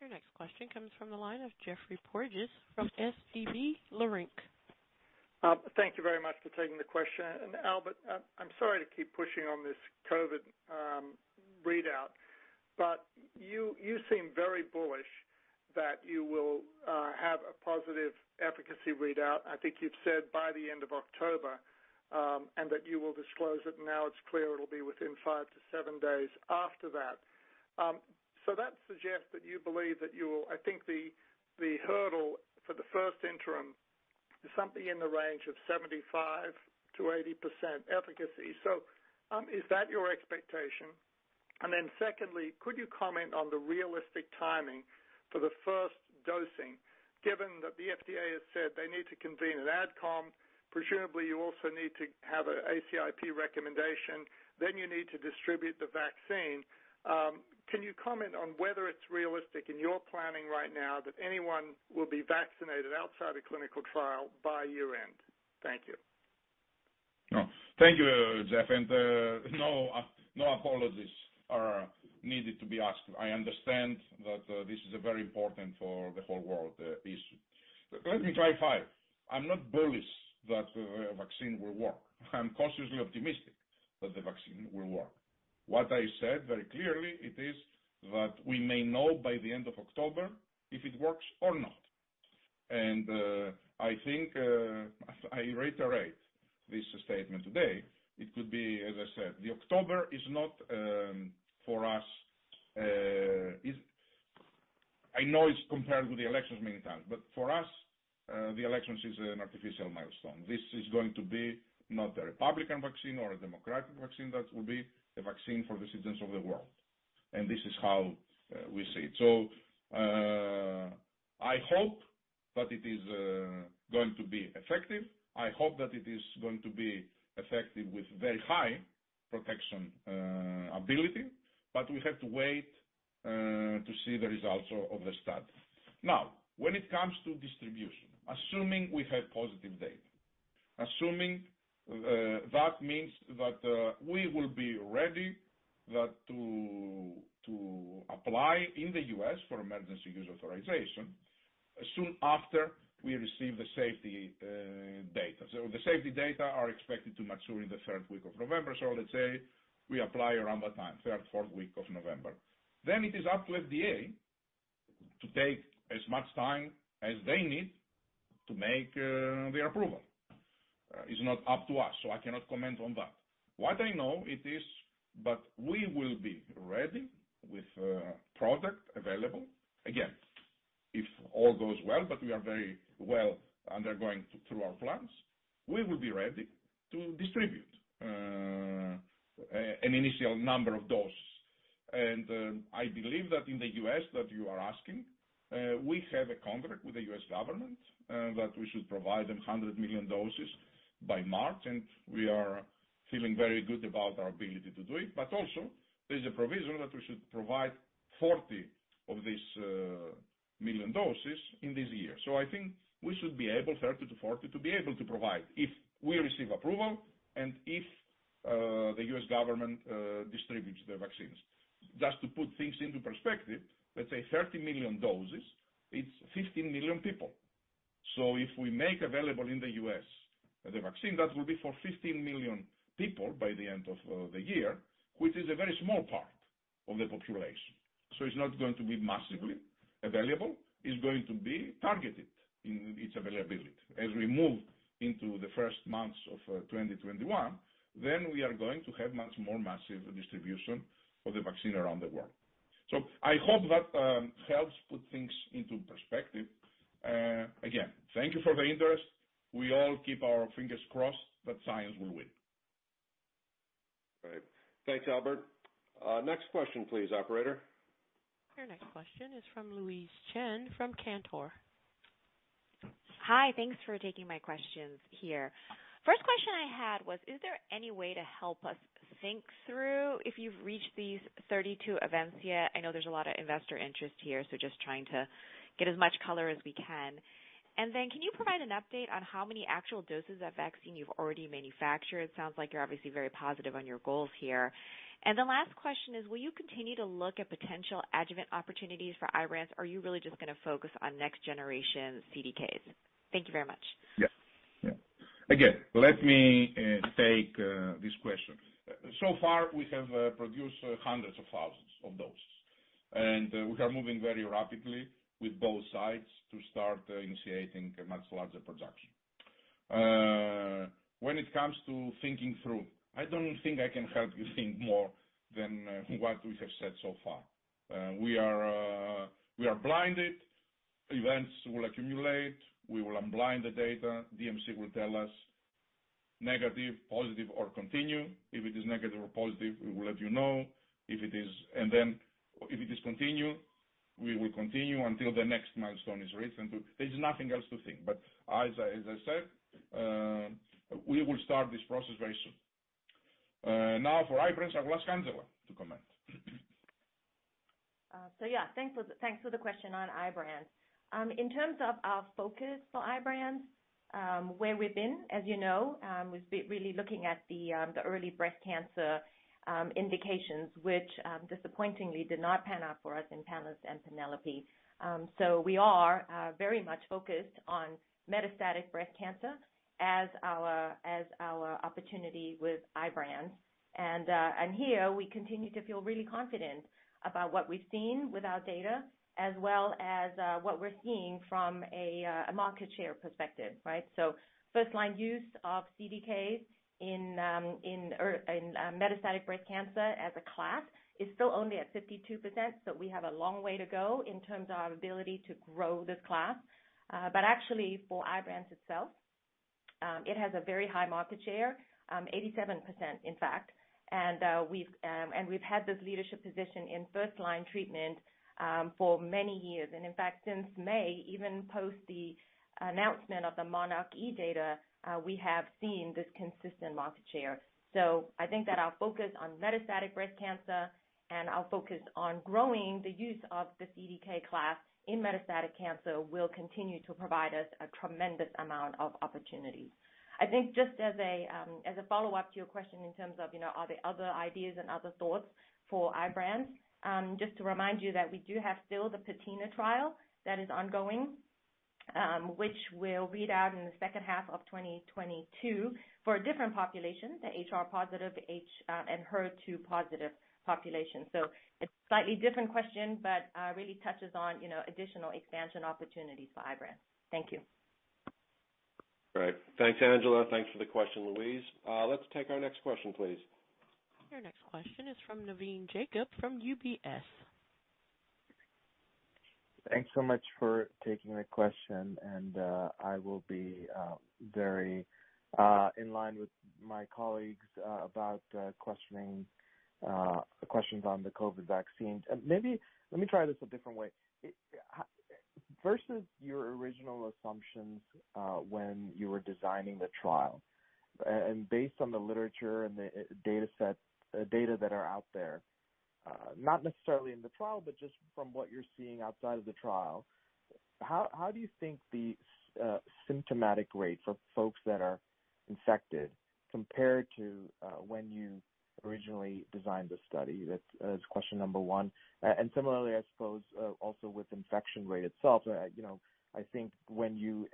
Your next question comes from the line of Geoffrey Porges from SVB Leerink. Thank you very much for taking the question. Albert, I'm sorry to keep pushing on this COVID readout, but you seem very bullish that you will have a positive efficacy readout, I think you've said by the end of October, and that you will disclose it. Now it's clear it'll be within five to seven days after that. That suggests that you believe that you will, I think the hurdle for the first interim is something in the range of 75%-80% efficacy. Is that your expectation? Secondly, could you comment on the realistic timing for the first dosing, given that the FDA has said they need to convene an AdCom, presumably you also need to have an ACIP recommendation, then you need to distribute the vaccine. Can you comment on whether it's realistic in your planning right now that anyone will be vaccinated outside a clinical trial by year-end? Thank you. No. Thank you, Geoff, and no apologies are needed to be asked. I understand that this is a very important for the whole world issue. Let me clarify, I'm not bullish that the vaccine will work. I'm cautiously optimistic that the vaccine will work. What I said very clearly it is that we may know by the end of October if it works or not. I think, I reiterate this statement today. It could be, as I said, October is not for us. I know it's compared with the elections many times, but for us, the elections is an artificial milestone. This is going to be not a Republican vaccine or a Democratic vaccine. That will be a vaccine for the citizens of the world, and this is how we see it. I hope that it is going to be effective. I hope that it is going to be effective with very high protection ability, but we have to wait to see the results of the study. When it comes to distribution, assuming we have positive data, assuming that means that we will be ready to apply in the U.S. for Emergency Use Authorization soon after we receive the safety data. The safety data are expected to mature in the third week of November. Let's say we apply around that time, third, fourth week of November. It is up to FDA to take as much time as they need to make the approval. It's not up to us, so I cannot comment on that. What I know it is, but we will be ready with product available. Again, if all goes well, but we are very well undergoing through our plans, we will be ready to distribute an initial number of doses. I believe that in the U.S. that you are asking, we have a contract with the U.S. government that we should provide them 100 million doses by March, and we are feeling very good about our ability to do it. Also there's a provision that we should provide 40 of these million doses in this year. I think we should be able, 30-40, to be able to provide if we receive approval and if the U.S. government distributes the vaccines. Just to put things into perspective, let's say 30 million doses, it's 15 million people. If we make available in the U.S. the vaccine, that will be for 15 million people by the end of the year, which is a very small part of the population. It's not going to be massively available. It's going to be targeted in its availability. As we move into the first months of 2021, then we are going to have much more massive distribution of the vaccine around the world. I hope that helps put things into perspective. Again, thank you for the interest. We all keep our fingers crossed that science will win. Great. Thanks, Albert. Next question please, operator. Your next question is from Louise Chen from Cantor. Hi. Thanks for taking my questions here. First question I had was, is there any way to help us think through if you've reached these 32 events yet? I know there's a lot of investor interest here, so just trying to get as much color as we can. Can you provide an update on how many actual doses of vaccine you've already manufactured? It sounds like you're obviously very positive on your goals here. The last question is, will you continue to look at potential adjuvant opportunities for IBRANCE, or are you really just going to focus on next generation CDKs? Thank you very much. Yeah. Again, let me take this question. So far, we have produced hundreds of thousands of doses, and we are moving very rapidly with both sides to start initiating a much larger production. When it comes to thinking through, I don't think I can help you think more than what we have said so far. We are blinded. Events will accumulate. We will unblind the data. DMC will tell us negative, positive, or continue. If it is negative or positive, we will let you know. If it is continue, we will continue until the next milestone is reached. There's nothing else to think. As I said, we will start this process very soon. Now for IBRANCE, I have Angela to comment. Yeah, thanks for the question on IBRANCE. In terms of our focus for IBRANCE, where we've been, as you know, we've been really looking at the early breast cancer indications, which disappointingly did not pan out for us in PALLAS and PENELOPE. We are very much focused on metastatic breast cancer as our opportunity with IBRANCE. Here we continue to feel really confident about what we've seen with our data as well as what we're seeing from a market share perspective, right? First line use of CDK in metastatic breast cancer as a class is still only at 52%, we have a long way to go in terms of our ability to grow this class. Actually for IBRANCE itself, it has a very high market share, 87% in fact. We've had this leadership position in first line treatment for many years. In fact, since May, even post the announcement of the monarchE data, we have seen this consistent market share. I think that our focus on metastatic breast cancer and our focus on growing the use of the CDK class in metastatic cancer will continue to provide us a tremendous amount of opportunity. I think just as a follow-up to your question in terms of are there other ideas and other thoughts for IBRANCE, just to remind you that we do have still the PATINA trial that is ongoing, which will read out in the second half of 2022 for a different population, the HR-positive and HER2-positive population. It's slightly different question, but really touches on additional expansion opportunities for IBRANCE. Thank you. Right. Thanks, Angela. Thanks for the question, Louise. Let's take our next question, please. Your next question is from Navin Jacob from UBS. Thanks so much for taking the question. I will be very in line with my colleagues about questions on the COVID vaccines. Maybe let me try this a different way. Versus your original assumptions when you were designing the trial, based on the literature and the data that are out there, not necessarily in the trial, but just from what you're seeing outside of the trial, how do you think the symptomatic rates of folks that are infected compare to when you originally designed the study? That's question number 1. Similarly, I suppose, also with infection rate itself. I think when you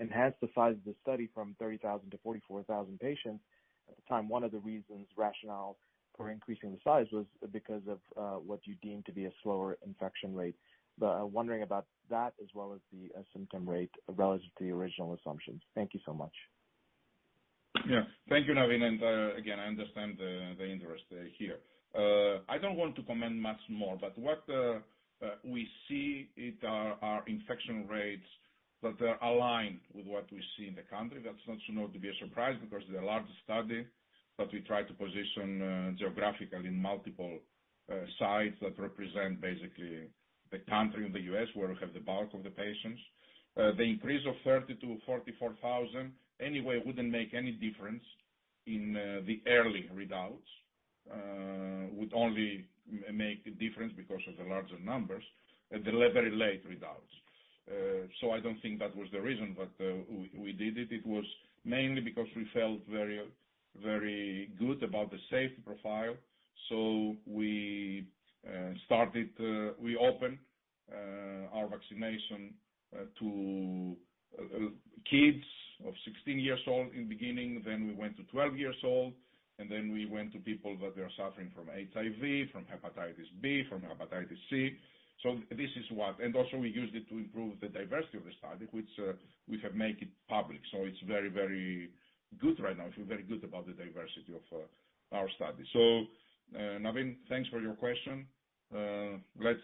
enhance the size of the study from 30,000 to 44,000 patients at the time, one of the reasons rationale for increasing the size was because of what you deemed to be a slower infection rate. Wondering about that as well as the symptom rate relative to the original assumptions. Thank you so much. Yeah. Thank you, Navin. Again, I understand the interest here. I don't want to comment much more, what we see are infection rates that are aligned with what we see in the country. That's not to be a surprise because they're a large study. We try to position geographically in multiple sites that represent basically the country in the U.S. where we have the bulk of the patients. The increase of 30,000-44,000 anyway wouldn't make any difference in the early readouts. Would only make a difference because of the larger numbers at the very late readouts. I don't think that was the reason, but we did it. It was mainly because we felt very good about the safety profile. We opened our vaccination to kids of 16 years old in the beginning, then we went to 12 years old, and then we went to people that are suffering from HIV, from hepatitis B, from hepatitis C. Also we used it to improve the diversity of the study, which we have made it public. It's very good right now. I feel very good about the diversity of our study. Navin, thanks for your question. Let's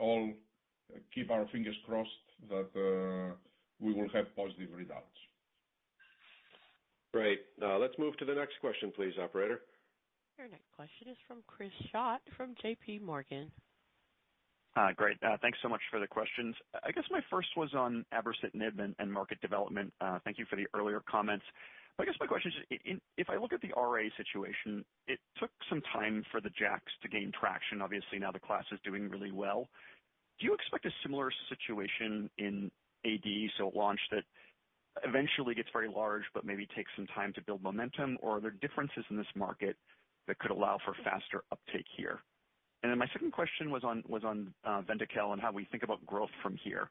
all keep our fingers crossed that we will have positive readouts. Great. Let's move to the next question please, operator. Your next question is from Chris Schott from JPMorgan. Great. Thanks so much for the questions. I guess my first was on abrocitinib and market development. Thank you for the earlier comments. I guess my question is, if I look at the RA situation, it took some time for the JAKs to gain traction. Obviously, now the class is doing really well. Do you expect a similar situation in AD, so a launch that eventually gets very large but maybe takes some time to build momentum? Are there differences in this market that could allow for faster uptake here? My second question was on VYNDAQEL and how we think about growth from here.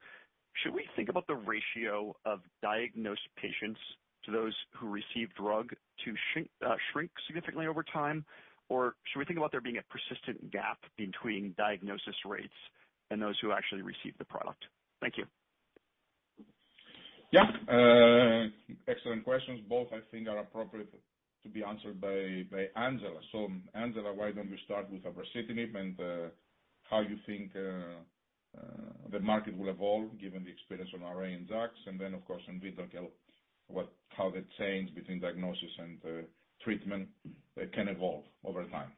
Should we think about the ratio of diagnosed patients to those who receive drug to shrink significantly over time? Should we think about there being a persistent gap between diagnosis rates and those who actually receive the product? Thank you. Yeah. Excellent questions. Both, I think, are appropriate to be answered by Angela. Angela, why don't you start with abrocitinib and how you think the market will evolve given the experience on RA and JAKs. Of course, on VYNDAQEL, how the change between diagnosis and treatment can evolve over time.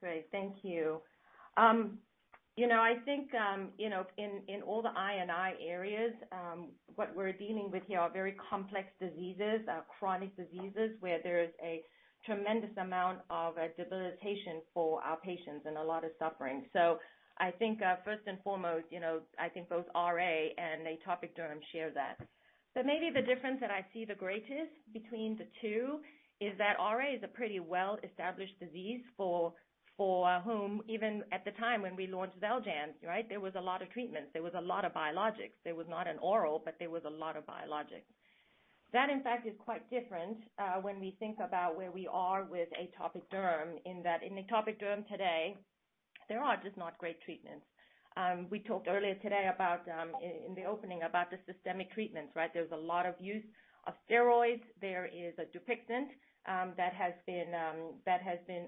Great. Thank you. I think in all the I&I areas, what we're dealing with here are very complex diseases, chronic diseases, where there is a tremendous amount of debilitation for our patients and a lot of suffering. First and foremost, I think both RA and atopic derm share that. Maybe the difference that I see the greatest between the two is that RA is a pretty well-established disease for whom, even at the time when we launched XELJANZ, there was a lot of treatments. There was a lot of biologics. There was not an oral, but there was a lot of biologics. That, in fact, is quite different when we think about where we are with atopic derm, in that in atopic derm today, there are just not great treatments. We talked earlier today in the opening about the systemic treatments. There's a lot of use of steroids. There is a Dupixent that has been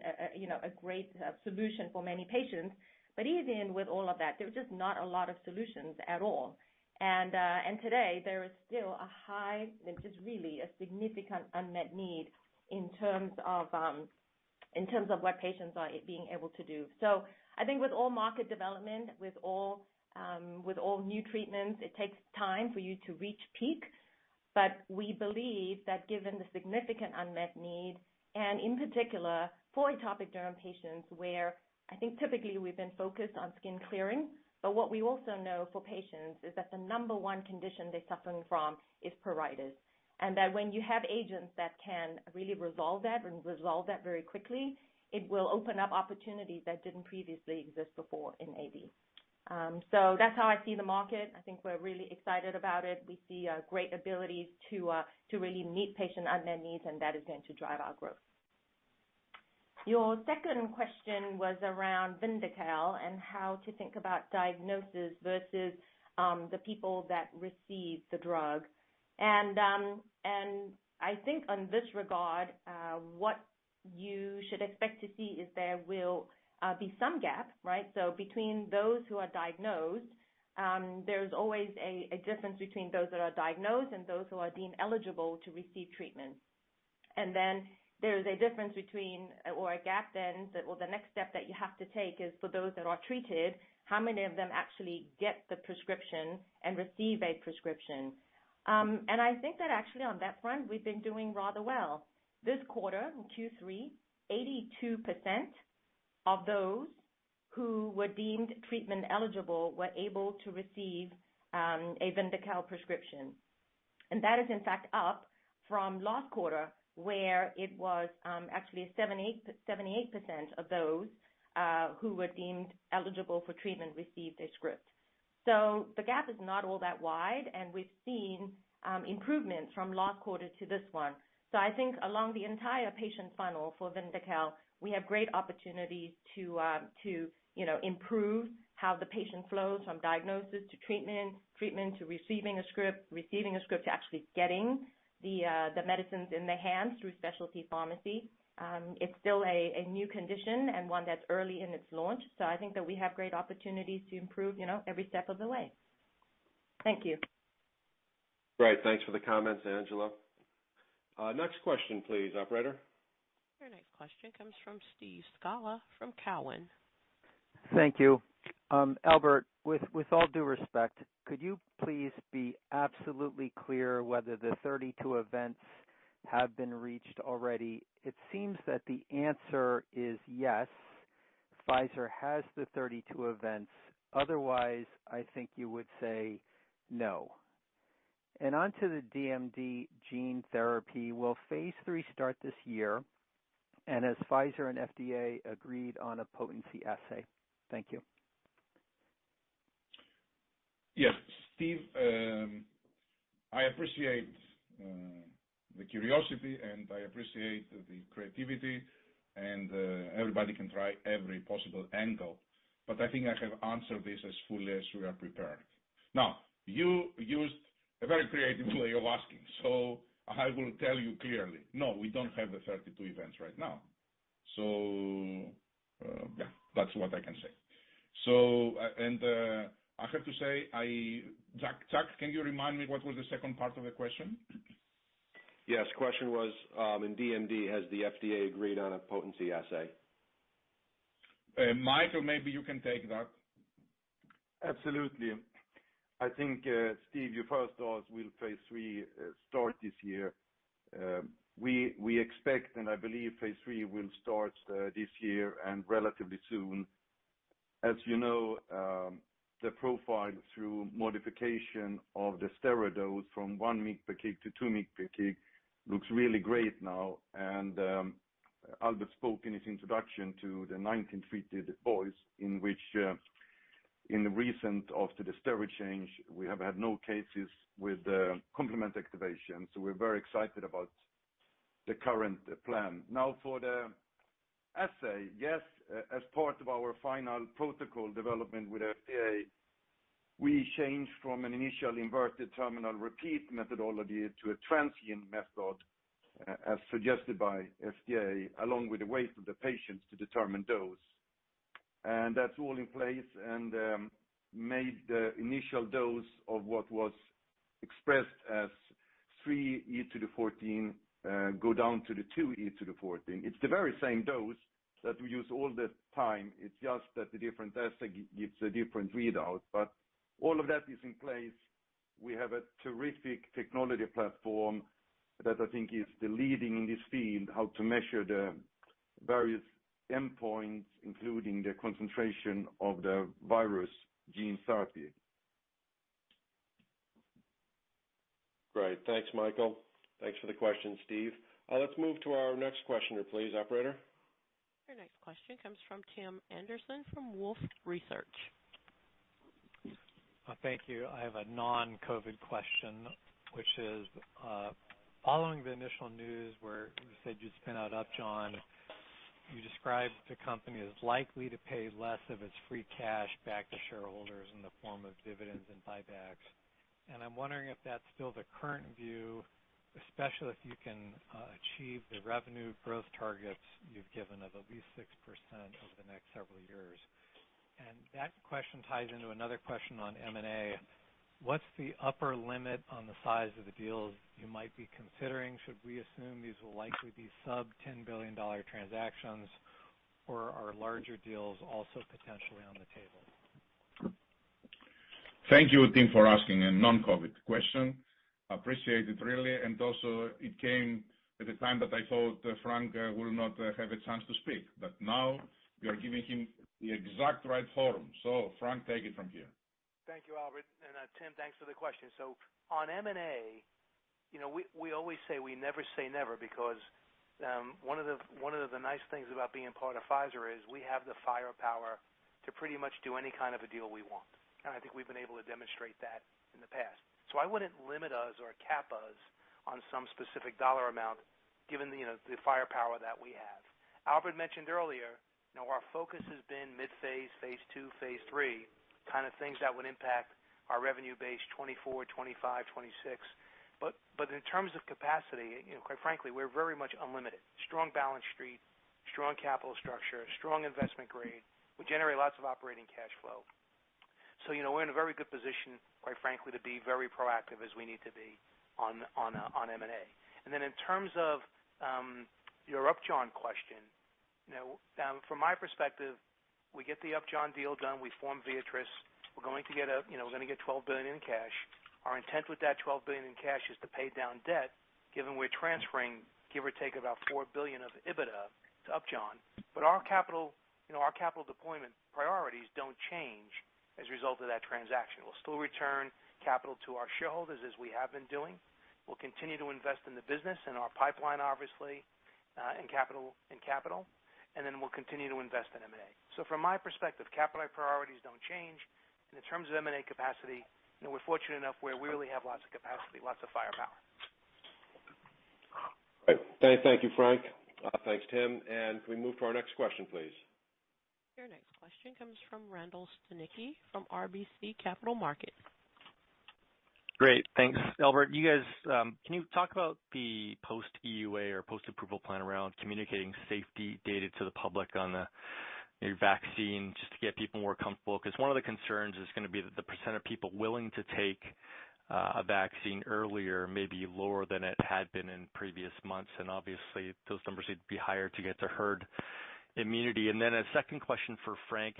a great solution for many patients. Even with all of that, there was just not a lot of solutions at all. Today, there is still a high, just really a significant unmet need in terms of what patients are being able to do. I think with all market development, with all new treatments, it takes time for you to reach peak. We believe that given the significant unmet need, and in particular for atopic derm patients, where I think typically we've been focused on skin clearing. What we also know for patients is that the number one condition they're suffering from is pruritus. That when you have agents that can really resolve that and resolve that very quickly, it will open up opportunities that didn't previously exist before in AD. That's how I see the market. I think we're really excited about it. We see a great ability to really meet patient unmet needs, and that is going to drive our growth. Your second question was around VYNDAQEL and how to think about diagnosis versus the people that receive the drug. I think in this regard, what you should expect to see is there will be some gap, right? Between those who are diagnosed, there's always a difference between those that are diagnosed and those who are deemed eligible to receive treatment. There is a difference between or a gap then, or the next step that you have to take is for those that are treated, how many of them actually get the prescription and receive a prescription? I think that actually on that front, we've been doing rather well. This quarter in Q3, 82% of those who were deemed treatment eligible were able to receive a VYNDAQEL prescription. That is in fact up from last quarter where it was actually 78% of those who were deemed eligible for treatment received a script. The gap is not all that wide and we've seen improvements from last quarter to this one. I think along the entire patient funnel for VYNDAQEL, we have great opportunities to improve how the patient flows from diagnosis to treatment to receiving a script, receiving a script to actually getting the medicines in their hands through specialty pharmacy. It's still a new condition and one that's early in its launch. I think that we have great opportunities to improve every step of the way. Thank you. Great. Thanks for the comments, Angela. Next question please, operator. Your next question comes from Steve Scala from Cowen. Thank you. Albert, with all due respect, could you please be absolutely clear whether the 32 events have been reached already? It seems that the answer is yes, Pfizer has the 32 events. Otherwise, I think you would say no. Onto the DMD gene therapy, will phase III start this year? Has Pfizer and FDA agreed on a potency assay? Thank you. Yes, Steve, I appreciate the curiosity. Everybody can try every possible angle, I think I have answered this as fully as we are prepared. You used a very creative way of asking, I will tell you clearly, no, we don't have the 32 events right now. Yeah, that's what I can say. I have to say, Chuck, can you remind me what was the second part of the question? Yes. The question was, in DMD, has the FDA agreed on a potency assay? Mikael, maybe you can take that. Absolutely. I think, Steve, your first thought was, will phase III start this year? We expect, and I believe phase III will start this year and relatively soon. As you know, the profile through modification of the steroid dose from 1 mg per kg to 2 mg per kg looks really great now, and Albert spoke in his introduction to the 19 treated boys in which, in the recent of the steroid change, we have had no cases with complement activation, so we're very excited about the current plan. Now for the assay, yes, as part of our final protocol development with FDA, we changed from an initial inverted terminal repeat methodology to a transgene method, as suggested by FDA, along with the weight of the patients to determine dose. That's all in place and made the initial dose of what was expressed as three E to the 14 go down to the two E to the 14. It's the very same dose that we use all the time. It's just that the different testing gives a different readout. All of that is in place. We have a terrific technology platform that I think is the leading in this field, how to measure the various endpoints, including the concentration of the virus gene therapy. Great. Thanks, Mikael. Thanks for the question, Steve. Let's move to our next question please, operator. Your next question comes from Tim Anderson from Wolfe Research. Thank you. I have a non-COVID question, which is, following the initial news where you said you'd spin out Upjohn, you described the company as likely to pay less of its free cash back to shareholders in the form of dividends and buybacks. I'm wondering if that's still the current view, especially if you can achieve the revenue growth targets you've given of at least 6% over the next several years. That question ties into another question on M&A. What's the upper limit on the size of the deals you might be considering? Should we assume these will likely be sub-$10 billion transactions or are larger deals also potentially on the table? Thank you, Tim, for asking a non-COVID question. Appreciate it really, and also it came at a time that I thought Frank will not have a chance to speak, but now you are giving him the exact right forum. Frank, take it from here. Thank you, Albert, and Tim, thanks for the question. On M&A, we always say we never say never because one of the nice things about being part of Pfizer is we have the firepower to pretty much do any kind of a deal we want, and I think we've been able to demonstrate that in the past. I wouldn't limit us or cap us on some specific dollar amount given the firepower that we have. Albert mentioned earlier, our focus has been mid-phase, phase II, phase III, things that would impact our revenue base 2024, 2025, 2026. In terms of capacity, quite frankly, we're very much unlimited. Strong balance sheet, strong capital structure, strong investment grade. We generate lots of operating cash flow. We're in a very good position, quite frankly, to be very proactive as we need to be on M&A. In terms of your Upjohn question, from my perspective, we get the Upjohn deal done, we form Viatris. We're going to get $12 billion in cash. Our intent with that $12 billion in cash is to pay down debt, given we're transferring, give or take, about $4 billion of EBITDA to Upjohn. Our capital deployment priorities don't change as a result of that transaction. We'll still return capital to our shareholders as we have been doing. We'll continue to invest in the business and our pipeline, obviously, in capital. We'll continue to invest in M&A. From my perspective, capital priorities don't change. In terms of M&A capacity, we're fortunate enough where we really have lots of capacity, lots of firepower. Great. Thank you, Frank. Thanks, Tim. Can we move to our next question, please? Your next question comes from Randall Stanicky from RBC Capital Markets. Great, thanks. Albert, can you talk about the post EUA or post-approval plan around communicating safety data to the public on your vaccine, just to get people more comfortable? One of the concerns is going to be that the % of people willing to take a vaccine earlier may be lower than it had been in previous months. Obviously those numbers need to be higher to get to herd immunity. A second question for Frank.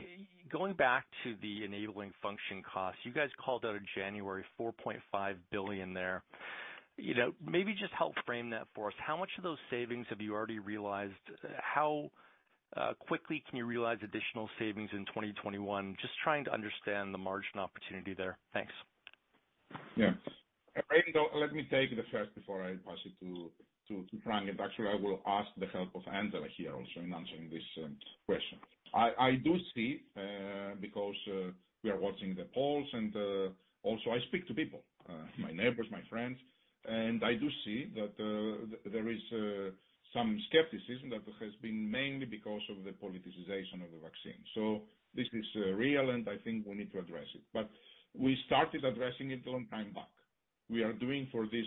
Going back to the enabling function cost, you guys called out in January, $4.5 billion there. Maybe just help frame that for us. How much of those savings have you already realized? How quickly can you realize additional savings in 2021? Just trying to understand the margin opportunity there. Thanks. Yeah. Randall, let me take the first before I pass it to Frank. Actually, I will ask the help of Angela here also in answering this question. I do see, because we are watching the polls and also I speak to people, my neighbors, my friends, and I do see that there is some skepticism that has been mainly because of the politicization of the vaccine. This is real, and I think we need to address it. We started addressing it a long time back. We are doing for this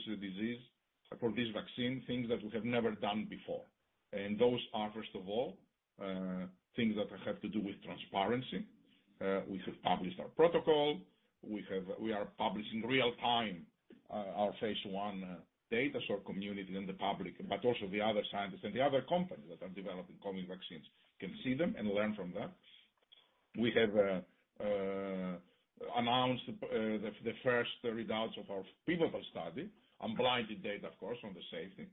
vaccine things that we have never done before. Those are, first of all, things that have to do with transparency. We have published our protocol. We are publishing real time our phase I data, so community and the public, but also the other scientists and the other companies that are developing COVID vaccines can see them and learn from them. We have announced the first results of our pivotal study, unblinded data, of course, on the safety.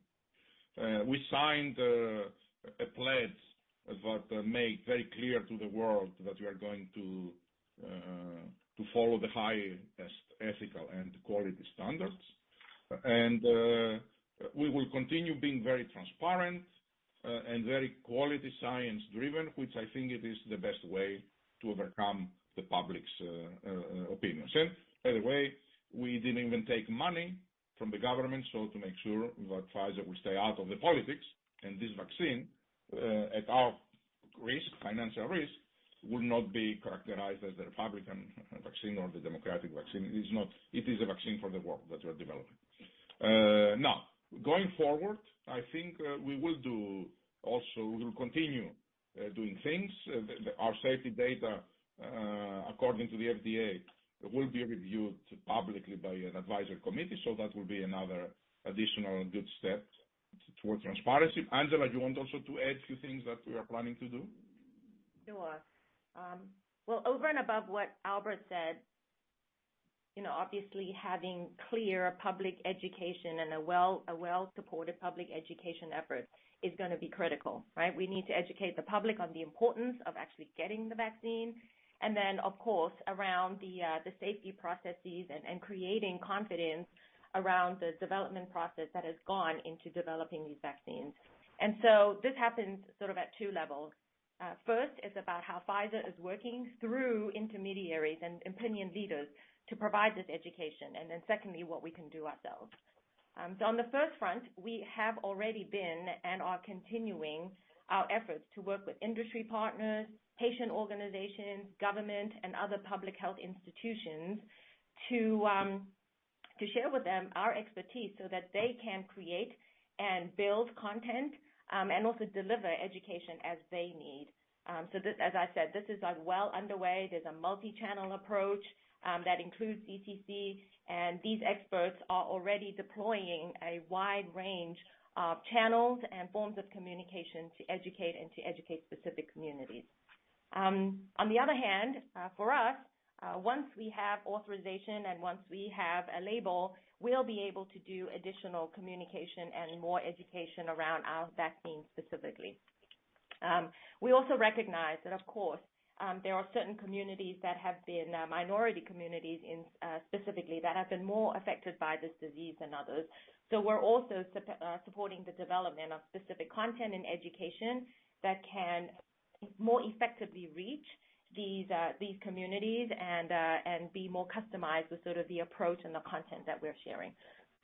We signed a pledge that made very clear to the world that we are going to follow the highest ethical and quality standards. We will continue being very transparent and very quality science driven, which I think it is the best way to overcome the public's opinions. By the way, we didn't even take money from the government, so to make sure that Pfizer will stay out of the politics and this vaccine, at our financial risk, will not be characterized as the Republican vaccine or the Democratic vaccine. It is a vaccine for the world that we're developing. Going forward, I think we will continue doing things. Our safety data, according to the FDA, will be reviewed publicly by an advisory committee. That will be another additional good step towards transparency. Angela, do you want also to add few things that we are planning to do? Sure. Well, over and above what Albert said, obviously having clear public education and a well-supported public education effort is going to be critical, right? We need to educate the public on the importance of actually getting the vaccine. Of course, around the safety processes and creating confidence around the development process that has gone into developing these vaccines. This happens sort of at two levels. First, it's about how Pfizer is working through intermediaries and opinion leaders to provide this education, and then secondly, what we can do ourselves. On the first front, we have already been and are continuing our efforts to work with industry partners, patient organizations, government, and other public health institutions to share with them our expertise so that they can create and build content, and also deliver education as they need. As I said, this is well underway. There's a multi-channel approach that includes DTC, and these experts are already deploying a wide range of channels and forms of communication to educate and to educate specific communities. On the other hand, for us, once we have authorization and once we have a label, we'll be able to do additional communication and more education around our vaccine specifically. We also recognize that, of course, there are certain communities that have been minority communities specifically that have been more affected by this disease than others. We're also supporting the development of specific content and education that can more effectively reach these communities and be more customized with the approach and the content that we're sharing.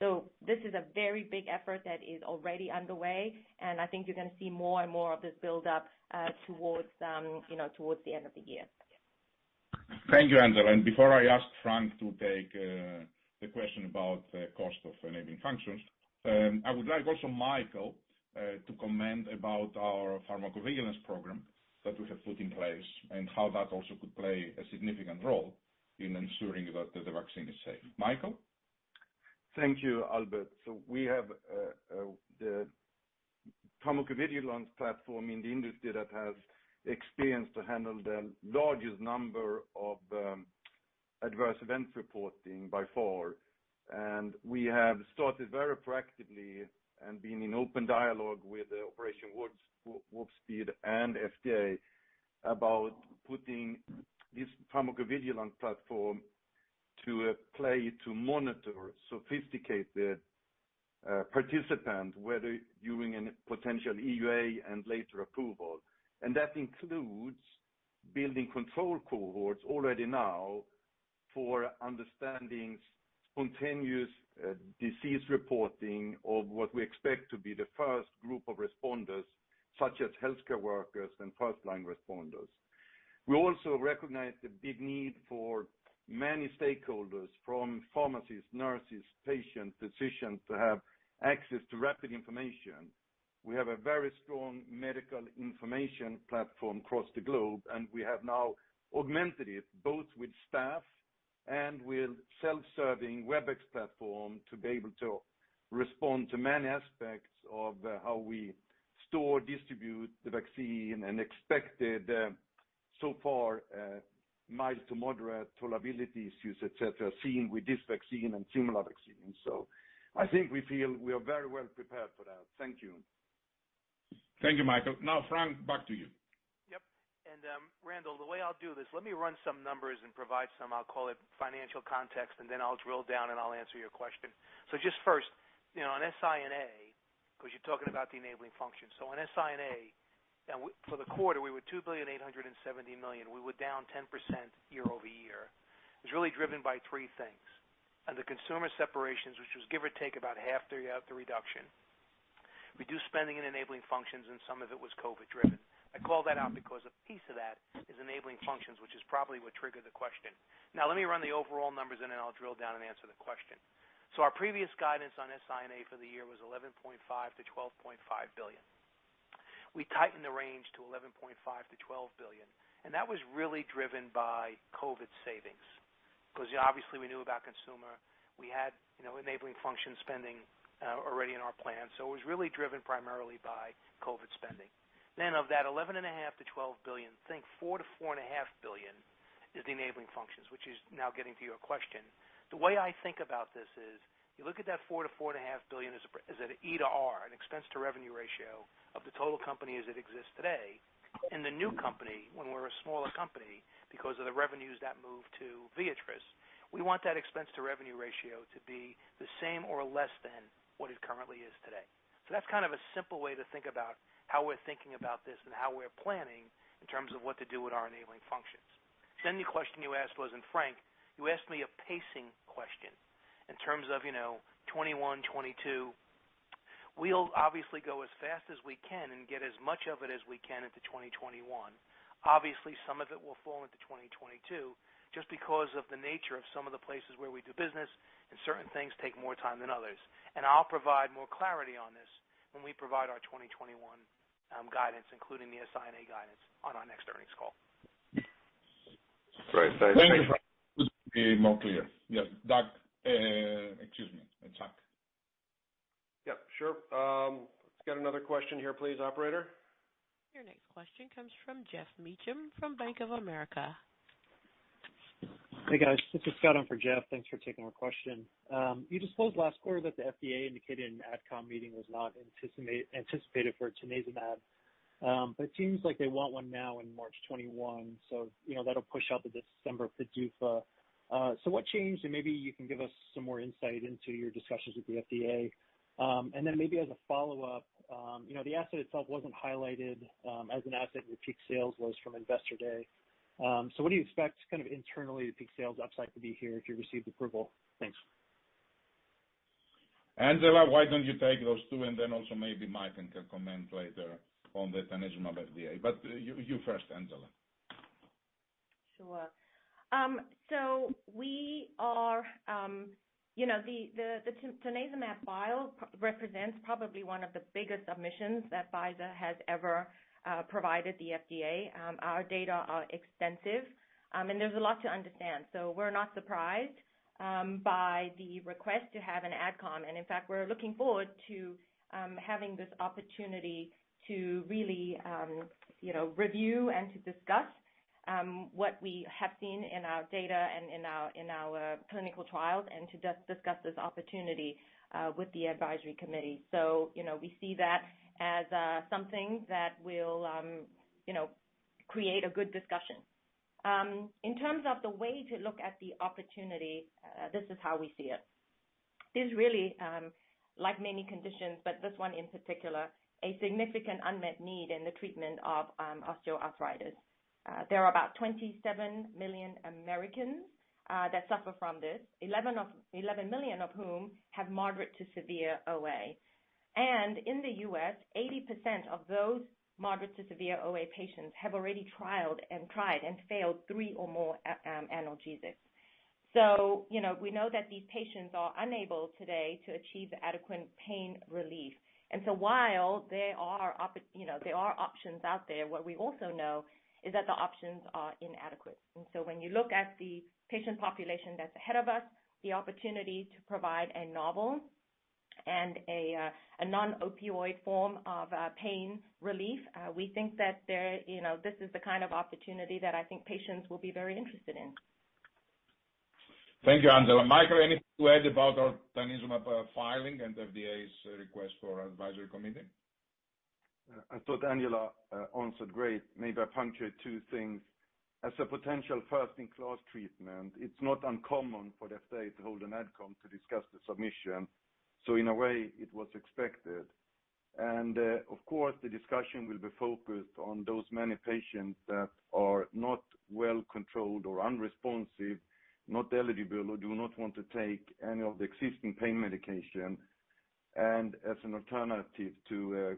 This is a very big effort that is already underway, and I think you're going to see more and more of this build up towards the end of the year. Thank you, Angela. Before I ask Frank to take the question about the cost of enabling functions, I would like also Mikael to comment about our pharmacovigilance program that we have put in place and how that also could play a significant role in ensuring that the vaccine is safe. Mikael? Thank you, Albert. We have the pharmacovigilance platform in the industry that has experience to handle the largest number of adverse event reporting by far. We have started very proactively and been in open dialogue with Operation Warp Speed and FDA about putting this pharmacovigilance platform to play to monitor sophisticated participants, whether during a potential EUA and later approval. That includes building control cohorts already now for understanding spontaneous disease reporting of what we expect to be the first group of responders, such as healthcare workers and first-line responders. We also recognize the big need for many stakeholders from pharmacists, nurses, patients, physicians, to have access to rapid information. We have a very strong medical information platform across the globe, and we have now augmented it both with staff and with self-serving WebEx platform to be able to respond to many aspects of how we store, distribute the vaccine and expected, so far, mild to moderate tolerability issues, et cetera, seen with this vaccine and similar vaccines. I think we feel we are very well prepared for that. Thank you. Thank you, Mikael. Now, Frank, back to you. Yep. Randall, the way I'll do this, let me run some numbers and provide some, I'll call it financial context, then I'll drill down and I'll answer your question. Just first, on SI&A, because you're talking about the enabling function. On SI&A, for the quarter, we were $2,870 million. We were down 10% year-over-year. It was really driven by three things. Under consumer separations, which was give or take about half the reduction. Reduced spending in enabling functions, and some of it was COVID driven. I call that out because a piece of that is enabling functions, which is probably what triggered the question. Let me run the overall numbers and then I'll drill down and answer the question. Our previous guidance on SI&A for the year was $11.5 billion-$12.5 billion. We tightened the range to $11.5 billion-$12 billion, and that was really driven by COVID savings. Because obviously we knew about consumer. We had enabling function spending already in our plan. It was really driven primarily by COVID spending. Of that $11.5 billion-$12 billion, think $4 billion-$4.5 billion is the enabling functions, which is now getting to your question. The way I think about this is, you look at that $4 billion-$4.5 billion as an E to R, an expense to revenue ratio of the total company as it exists today. In the new company, when we're a smaller company because of the revenues that move to Viatris, we want that expense to revenue ratio to be the same or less than what it currently is today. That's kind of a simple way to think about how we're thinking about this and how we're planning in terms of what to do with our enabling functions. The question you asked wasn't Frank, you asked me a pacing question in terms of 2021, 2022. We'll obviously go as fast as we can and get as much of it as we can into 2021. Obviously, some of it will fall into 2022 just because of the nature of some of the places where we do business and certain things take more time than others. I'll provide more clarity on this when we provide our 2021 guidance, including the SI&A guidance on our next earnings call. Great. Thanks. Thank you, Frank. Be more clear. Yes, Doug. Excuse me, it's Chuck. Yep, sure. Let's get another question here, please, operator. Your next question comes from Geoff Meacham from Bank of America. Hey, guys. This is Scott on for Geoff. Thanks for taking my question. You disclosed last quarter that the FDA indicated an AdCom meeting was not anticipated for tanezumab. It seems like they want one now in March 2021. That'll push out the December PDUFA. What changed? Maybe you can give us some more insight into your discussions with the FDA. Then maybe as a follow-up, the asset itself wasn't highlighted as an asset where peak sales was from Investor Day. What do you expect kind of internally the peak sales upside to be here if you receive approval? Thanks. Angela, why don't you take those two and then also maybe Mikael can comment later on the tanezumab FDA, but you first, Angela. Sure. The tanezumab file represents probably one of the biggest submissions that Pfizer has ever provided the FDA. Our data are extensive, and there's a lot to understand. We're not surprised by the request to have an AdCom. In fact, we're looking forward to having this opportunity to really review and to discuss what we have seen in our data and in our clinical trials and to just discuss this opportunity with the advisory committee. We see that as something that will create a good discussion. In terms of the way to look at the opportunity, this is how we see it. There's really, like many conditions, but this one in particular, a significant unmet need in the treatment of osteoarthritis. There are about 27 million Americans that suffer from this, 11 million of whom have moderate to severe OA. In the U.S., 80% of those moderate to severe OA patients have already trialed and tried and failed three or more analgesics. We know that these patients are unable today to achieve adequate pain relief. While there are options out there, what we also know is that the options are inadequate. When you look at the patient population that's ahead of us, the opportunity to provide a novel and a non-opioid form of pain relief, we think that this is the kind of opportunity that I think patients will be very interested in. Thank you, Angela. Mikael, anything to add about our tanezumab filing and the FDA's request for advisory committee? I thought Angela answered great. Maybe I punctuate two things. As a potential first-in-class treatment, it's not uncommon for the FDA to hold an AdCom to discuss the submission. In a way, it was expected. Of course, the discussion will be focused on those many patients that are not well-controlled or unresponsive, not eligible, or do not want to take any of the existing pain medication, as an alternative to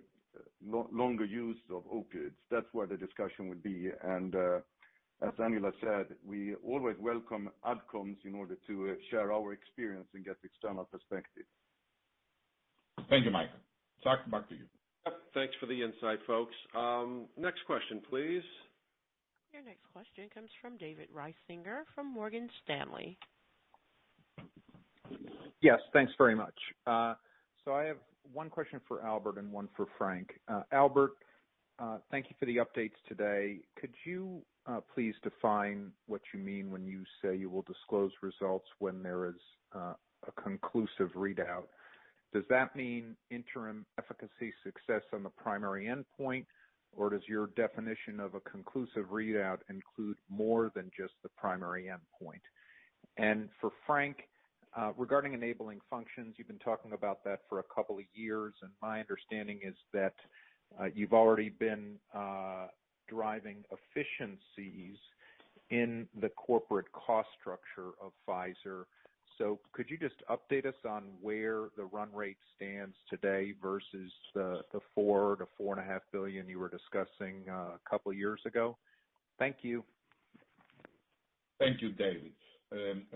longer use of opioids. That's where the discussion would be. As Angela said, we always welcome AdComs in order to share our experience and get external perspective. Thank you, Mikael. Chuck, back to you. Yep. Thanks for the insight, folks. Next question, please. Your next question comes from David Risinger from Morgan Stanley. Yes, thanks very much. I have one question for Albert and one for Frank. Albert, thank you for the updates today. Could you please define what you mean when you say you will disclose results when there is a conclusive readout? Does that mean interim efficacy success on the primary endpoint, or does your definition of a conclusive readout include more than just the primary endpoint? For Frank, regarding enabling functions, you've been talking about that for a couple of years, and my understanding is that you've already been driving efficiencies in the corporate cost structure of Pfizer. Could you just update us on where the run rate stands today versus the $4 billion-$4.5 billion you were discussing a couple of years ago? Thank you. Thank you, David.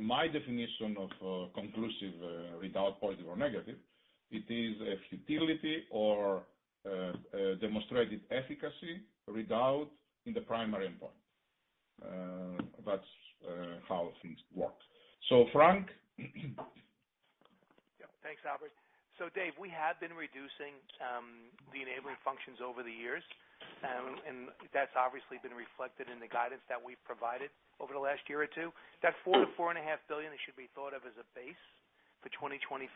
My definition of conclusive readout, positive or negative, it is a futility or a demonstrated efficacy readout in the primary endpoint. That's how things work. Frank? Yeah. Thanks, Albert. Dave, we have been reducing the enabling functions over the years, and that's obviously been reflected in the guidance that we've provided over the last year or two. That $4 billion-$4.5 billion should be thought of as a base for 2025,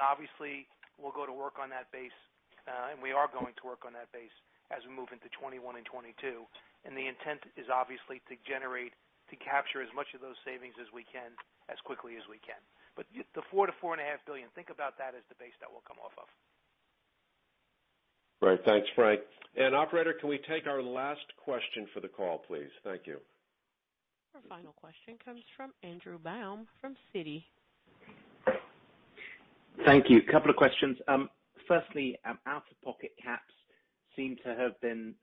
obviously, we'll go to work on that base. We are going to work on that base as we move into 2021 and 2022. The intent is obviously to generate, to capture as much of those savings as we can, as quickly as we can. The $4 billion-$4.5 billion, think about that as the base that we'll come off of. Right. Thanks, Frank. Operator, can we take our last question for the call, please? Thank you. Our final question comes from Andrew Baum from Citi. Thank you. Couple of questions. Firstly, out-of-pocket caps seem to have been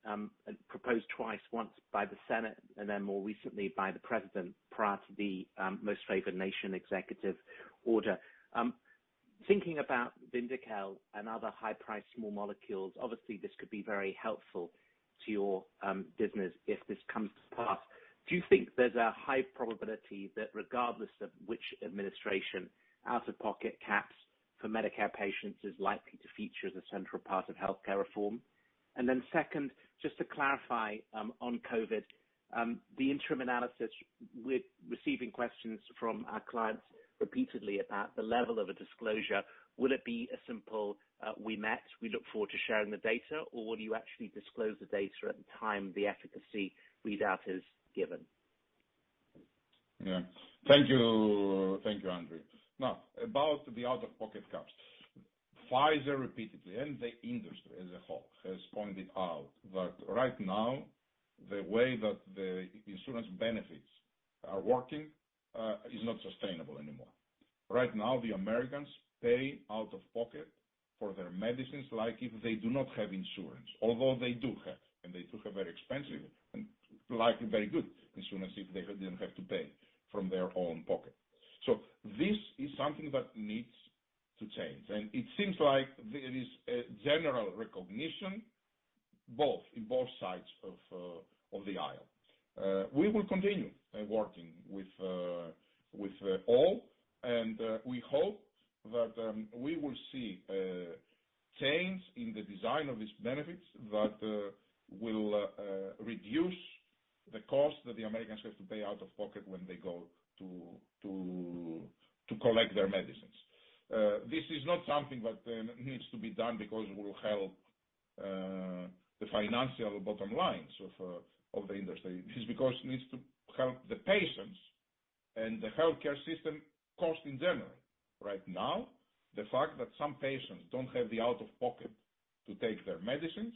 proposed twice, once by the Senate and then more recently by the president, prior to the Most Favored Nation executive order. Thinking about VYNDAQEL and other high-priced small molecules, obviously, this could be very helpful to your business if this comes to pass. Do you think there's a high probability that regardless of which administration, out-of-pocket caps for Medicare patients is likely to feature as a central part of healthcare reform? Then second, just to clarify, on COVID, the interim analysis, we're receiving questions from our clients repeatedly about the level of a disclosure. Will it be a simple, "We met, we look forward to sharing the data," or will you actually disclose the data at the time the efficacy readout is given? Yeah. Thank you, Andrew. About the out-of-pocket caps. Pfizer repeatedly, and the industry as a whole, has pointed out that right now, the way that the insurance benefits are working, is not sustainable anymore. Right now, the Americans pay out of pocket for their medicines like if they do not have insurance, although they do have, and they do have very expensive and likely very good insurance if they didn't have to pay from their own pocket. This is something that needs to change, and it seems like there is a general recognition in both sides of the aisle. We will continue working with all, and we hope that we will see a change in the design of these benefits that will reduce the cost that the Americans have to pay out of pocket when they go to collect their medicines. This is not something that needs to be done because it will help the financial bottom lines of the industry. This is because it needs to help the patients and the healthcare system cost in general. Right now, the fact that some patients don't have the out-of-pocket to take their medicines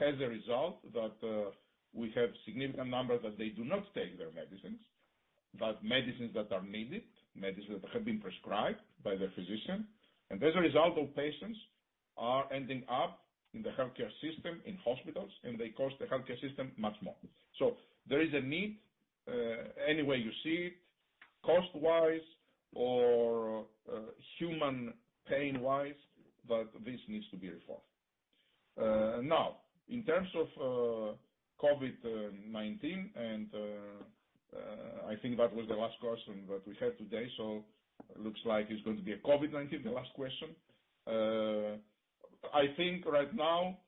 has a result that we have significant numbers that they do not take their medicines, but medicines that are needed, medicines that have been prescribed by the physician. As a result of patients are ending up in the healthcare system, in hospitals, and they cost the healthcare system much more. There is a need, any way you see it, cost-wise or human pain-wise, but this needs to be reformed. In terms of COVID-19, I think that was the last question that we had today. Looks like it's going to be COVID-19, the last question. I think right now,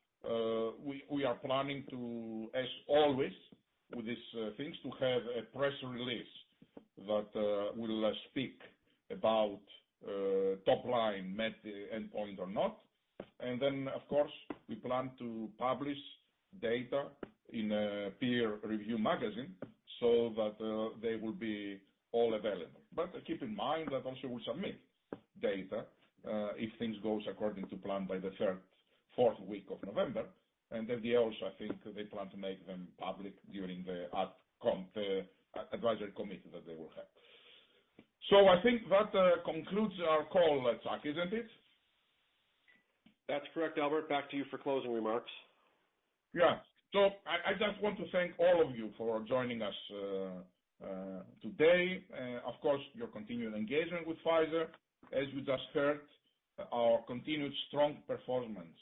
we are planning to, as always with these things, to have a press release that will speak about top line met endpoint or not. Of course, we plan to publish data in a peer review magazine so that they will be all available. Keep in mind that also we submit data, if things goes according to plan by the fourth week of November. They also, I think, they plan to make them public during the Advisory Committee that they will have. I think that concludes our call, Chuck, isn't it? That's correct, Albert. Back to you for closing remarks. I just want to thank all of you for joining us today, of course, your continued engagement with Pfizer. As you just heard, our continued strong performance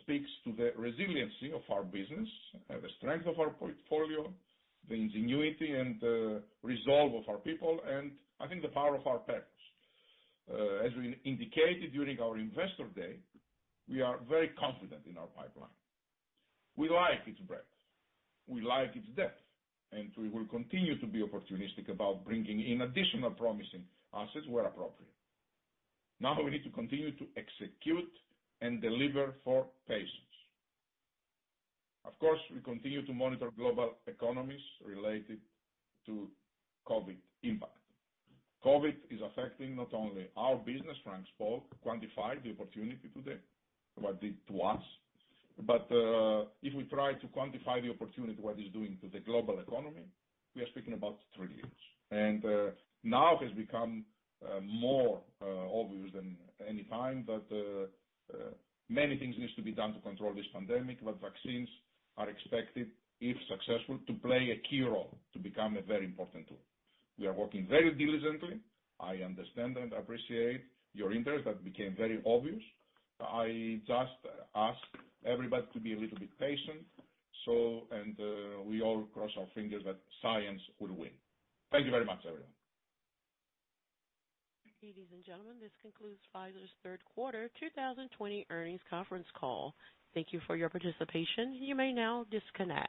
speaks to the resiliency of our business, the strength of our portfolio, the ingenuity and resolve of our people, and I think the power of our purpose. As we indicated during our Investor Day, we are very confident in our pipeline. We like its breadth, we like its depth, and we will continue to be opportunistic about bringing in additional promising assets where appropriate. We need to continue to execute and deliver for patients. Of course, we continue to monitor global economies related to COVID impact. COVID is affecting not only our business, Frank spoke, quantified the opportunity today, what did to us. If we try to quantify the opportunity, what it's doing to the global economy, we are speaking about three years. Now it has become more obvious than any time that many things needs to be done to control this pandemic, but vaccines are expected, if successful, to play a key role to become a very important tool. We are working very diligently. I understand and appreciate your interest. That became very obvious. I just ask everybody to be a little bit patient, and we all cross our fingers that science will win. Thank you very much, everyone. Ladies and gentlemen, this concludes Pfizer's third quarter 2020 earnings conference call. Thank you for your participation. You may now disconnect.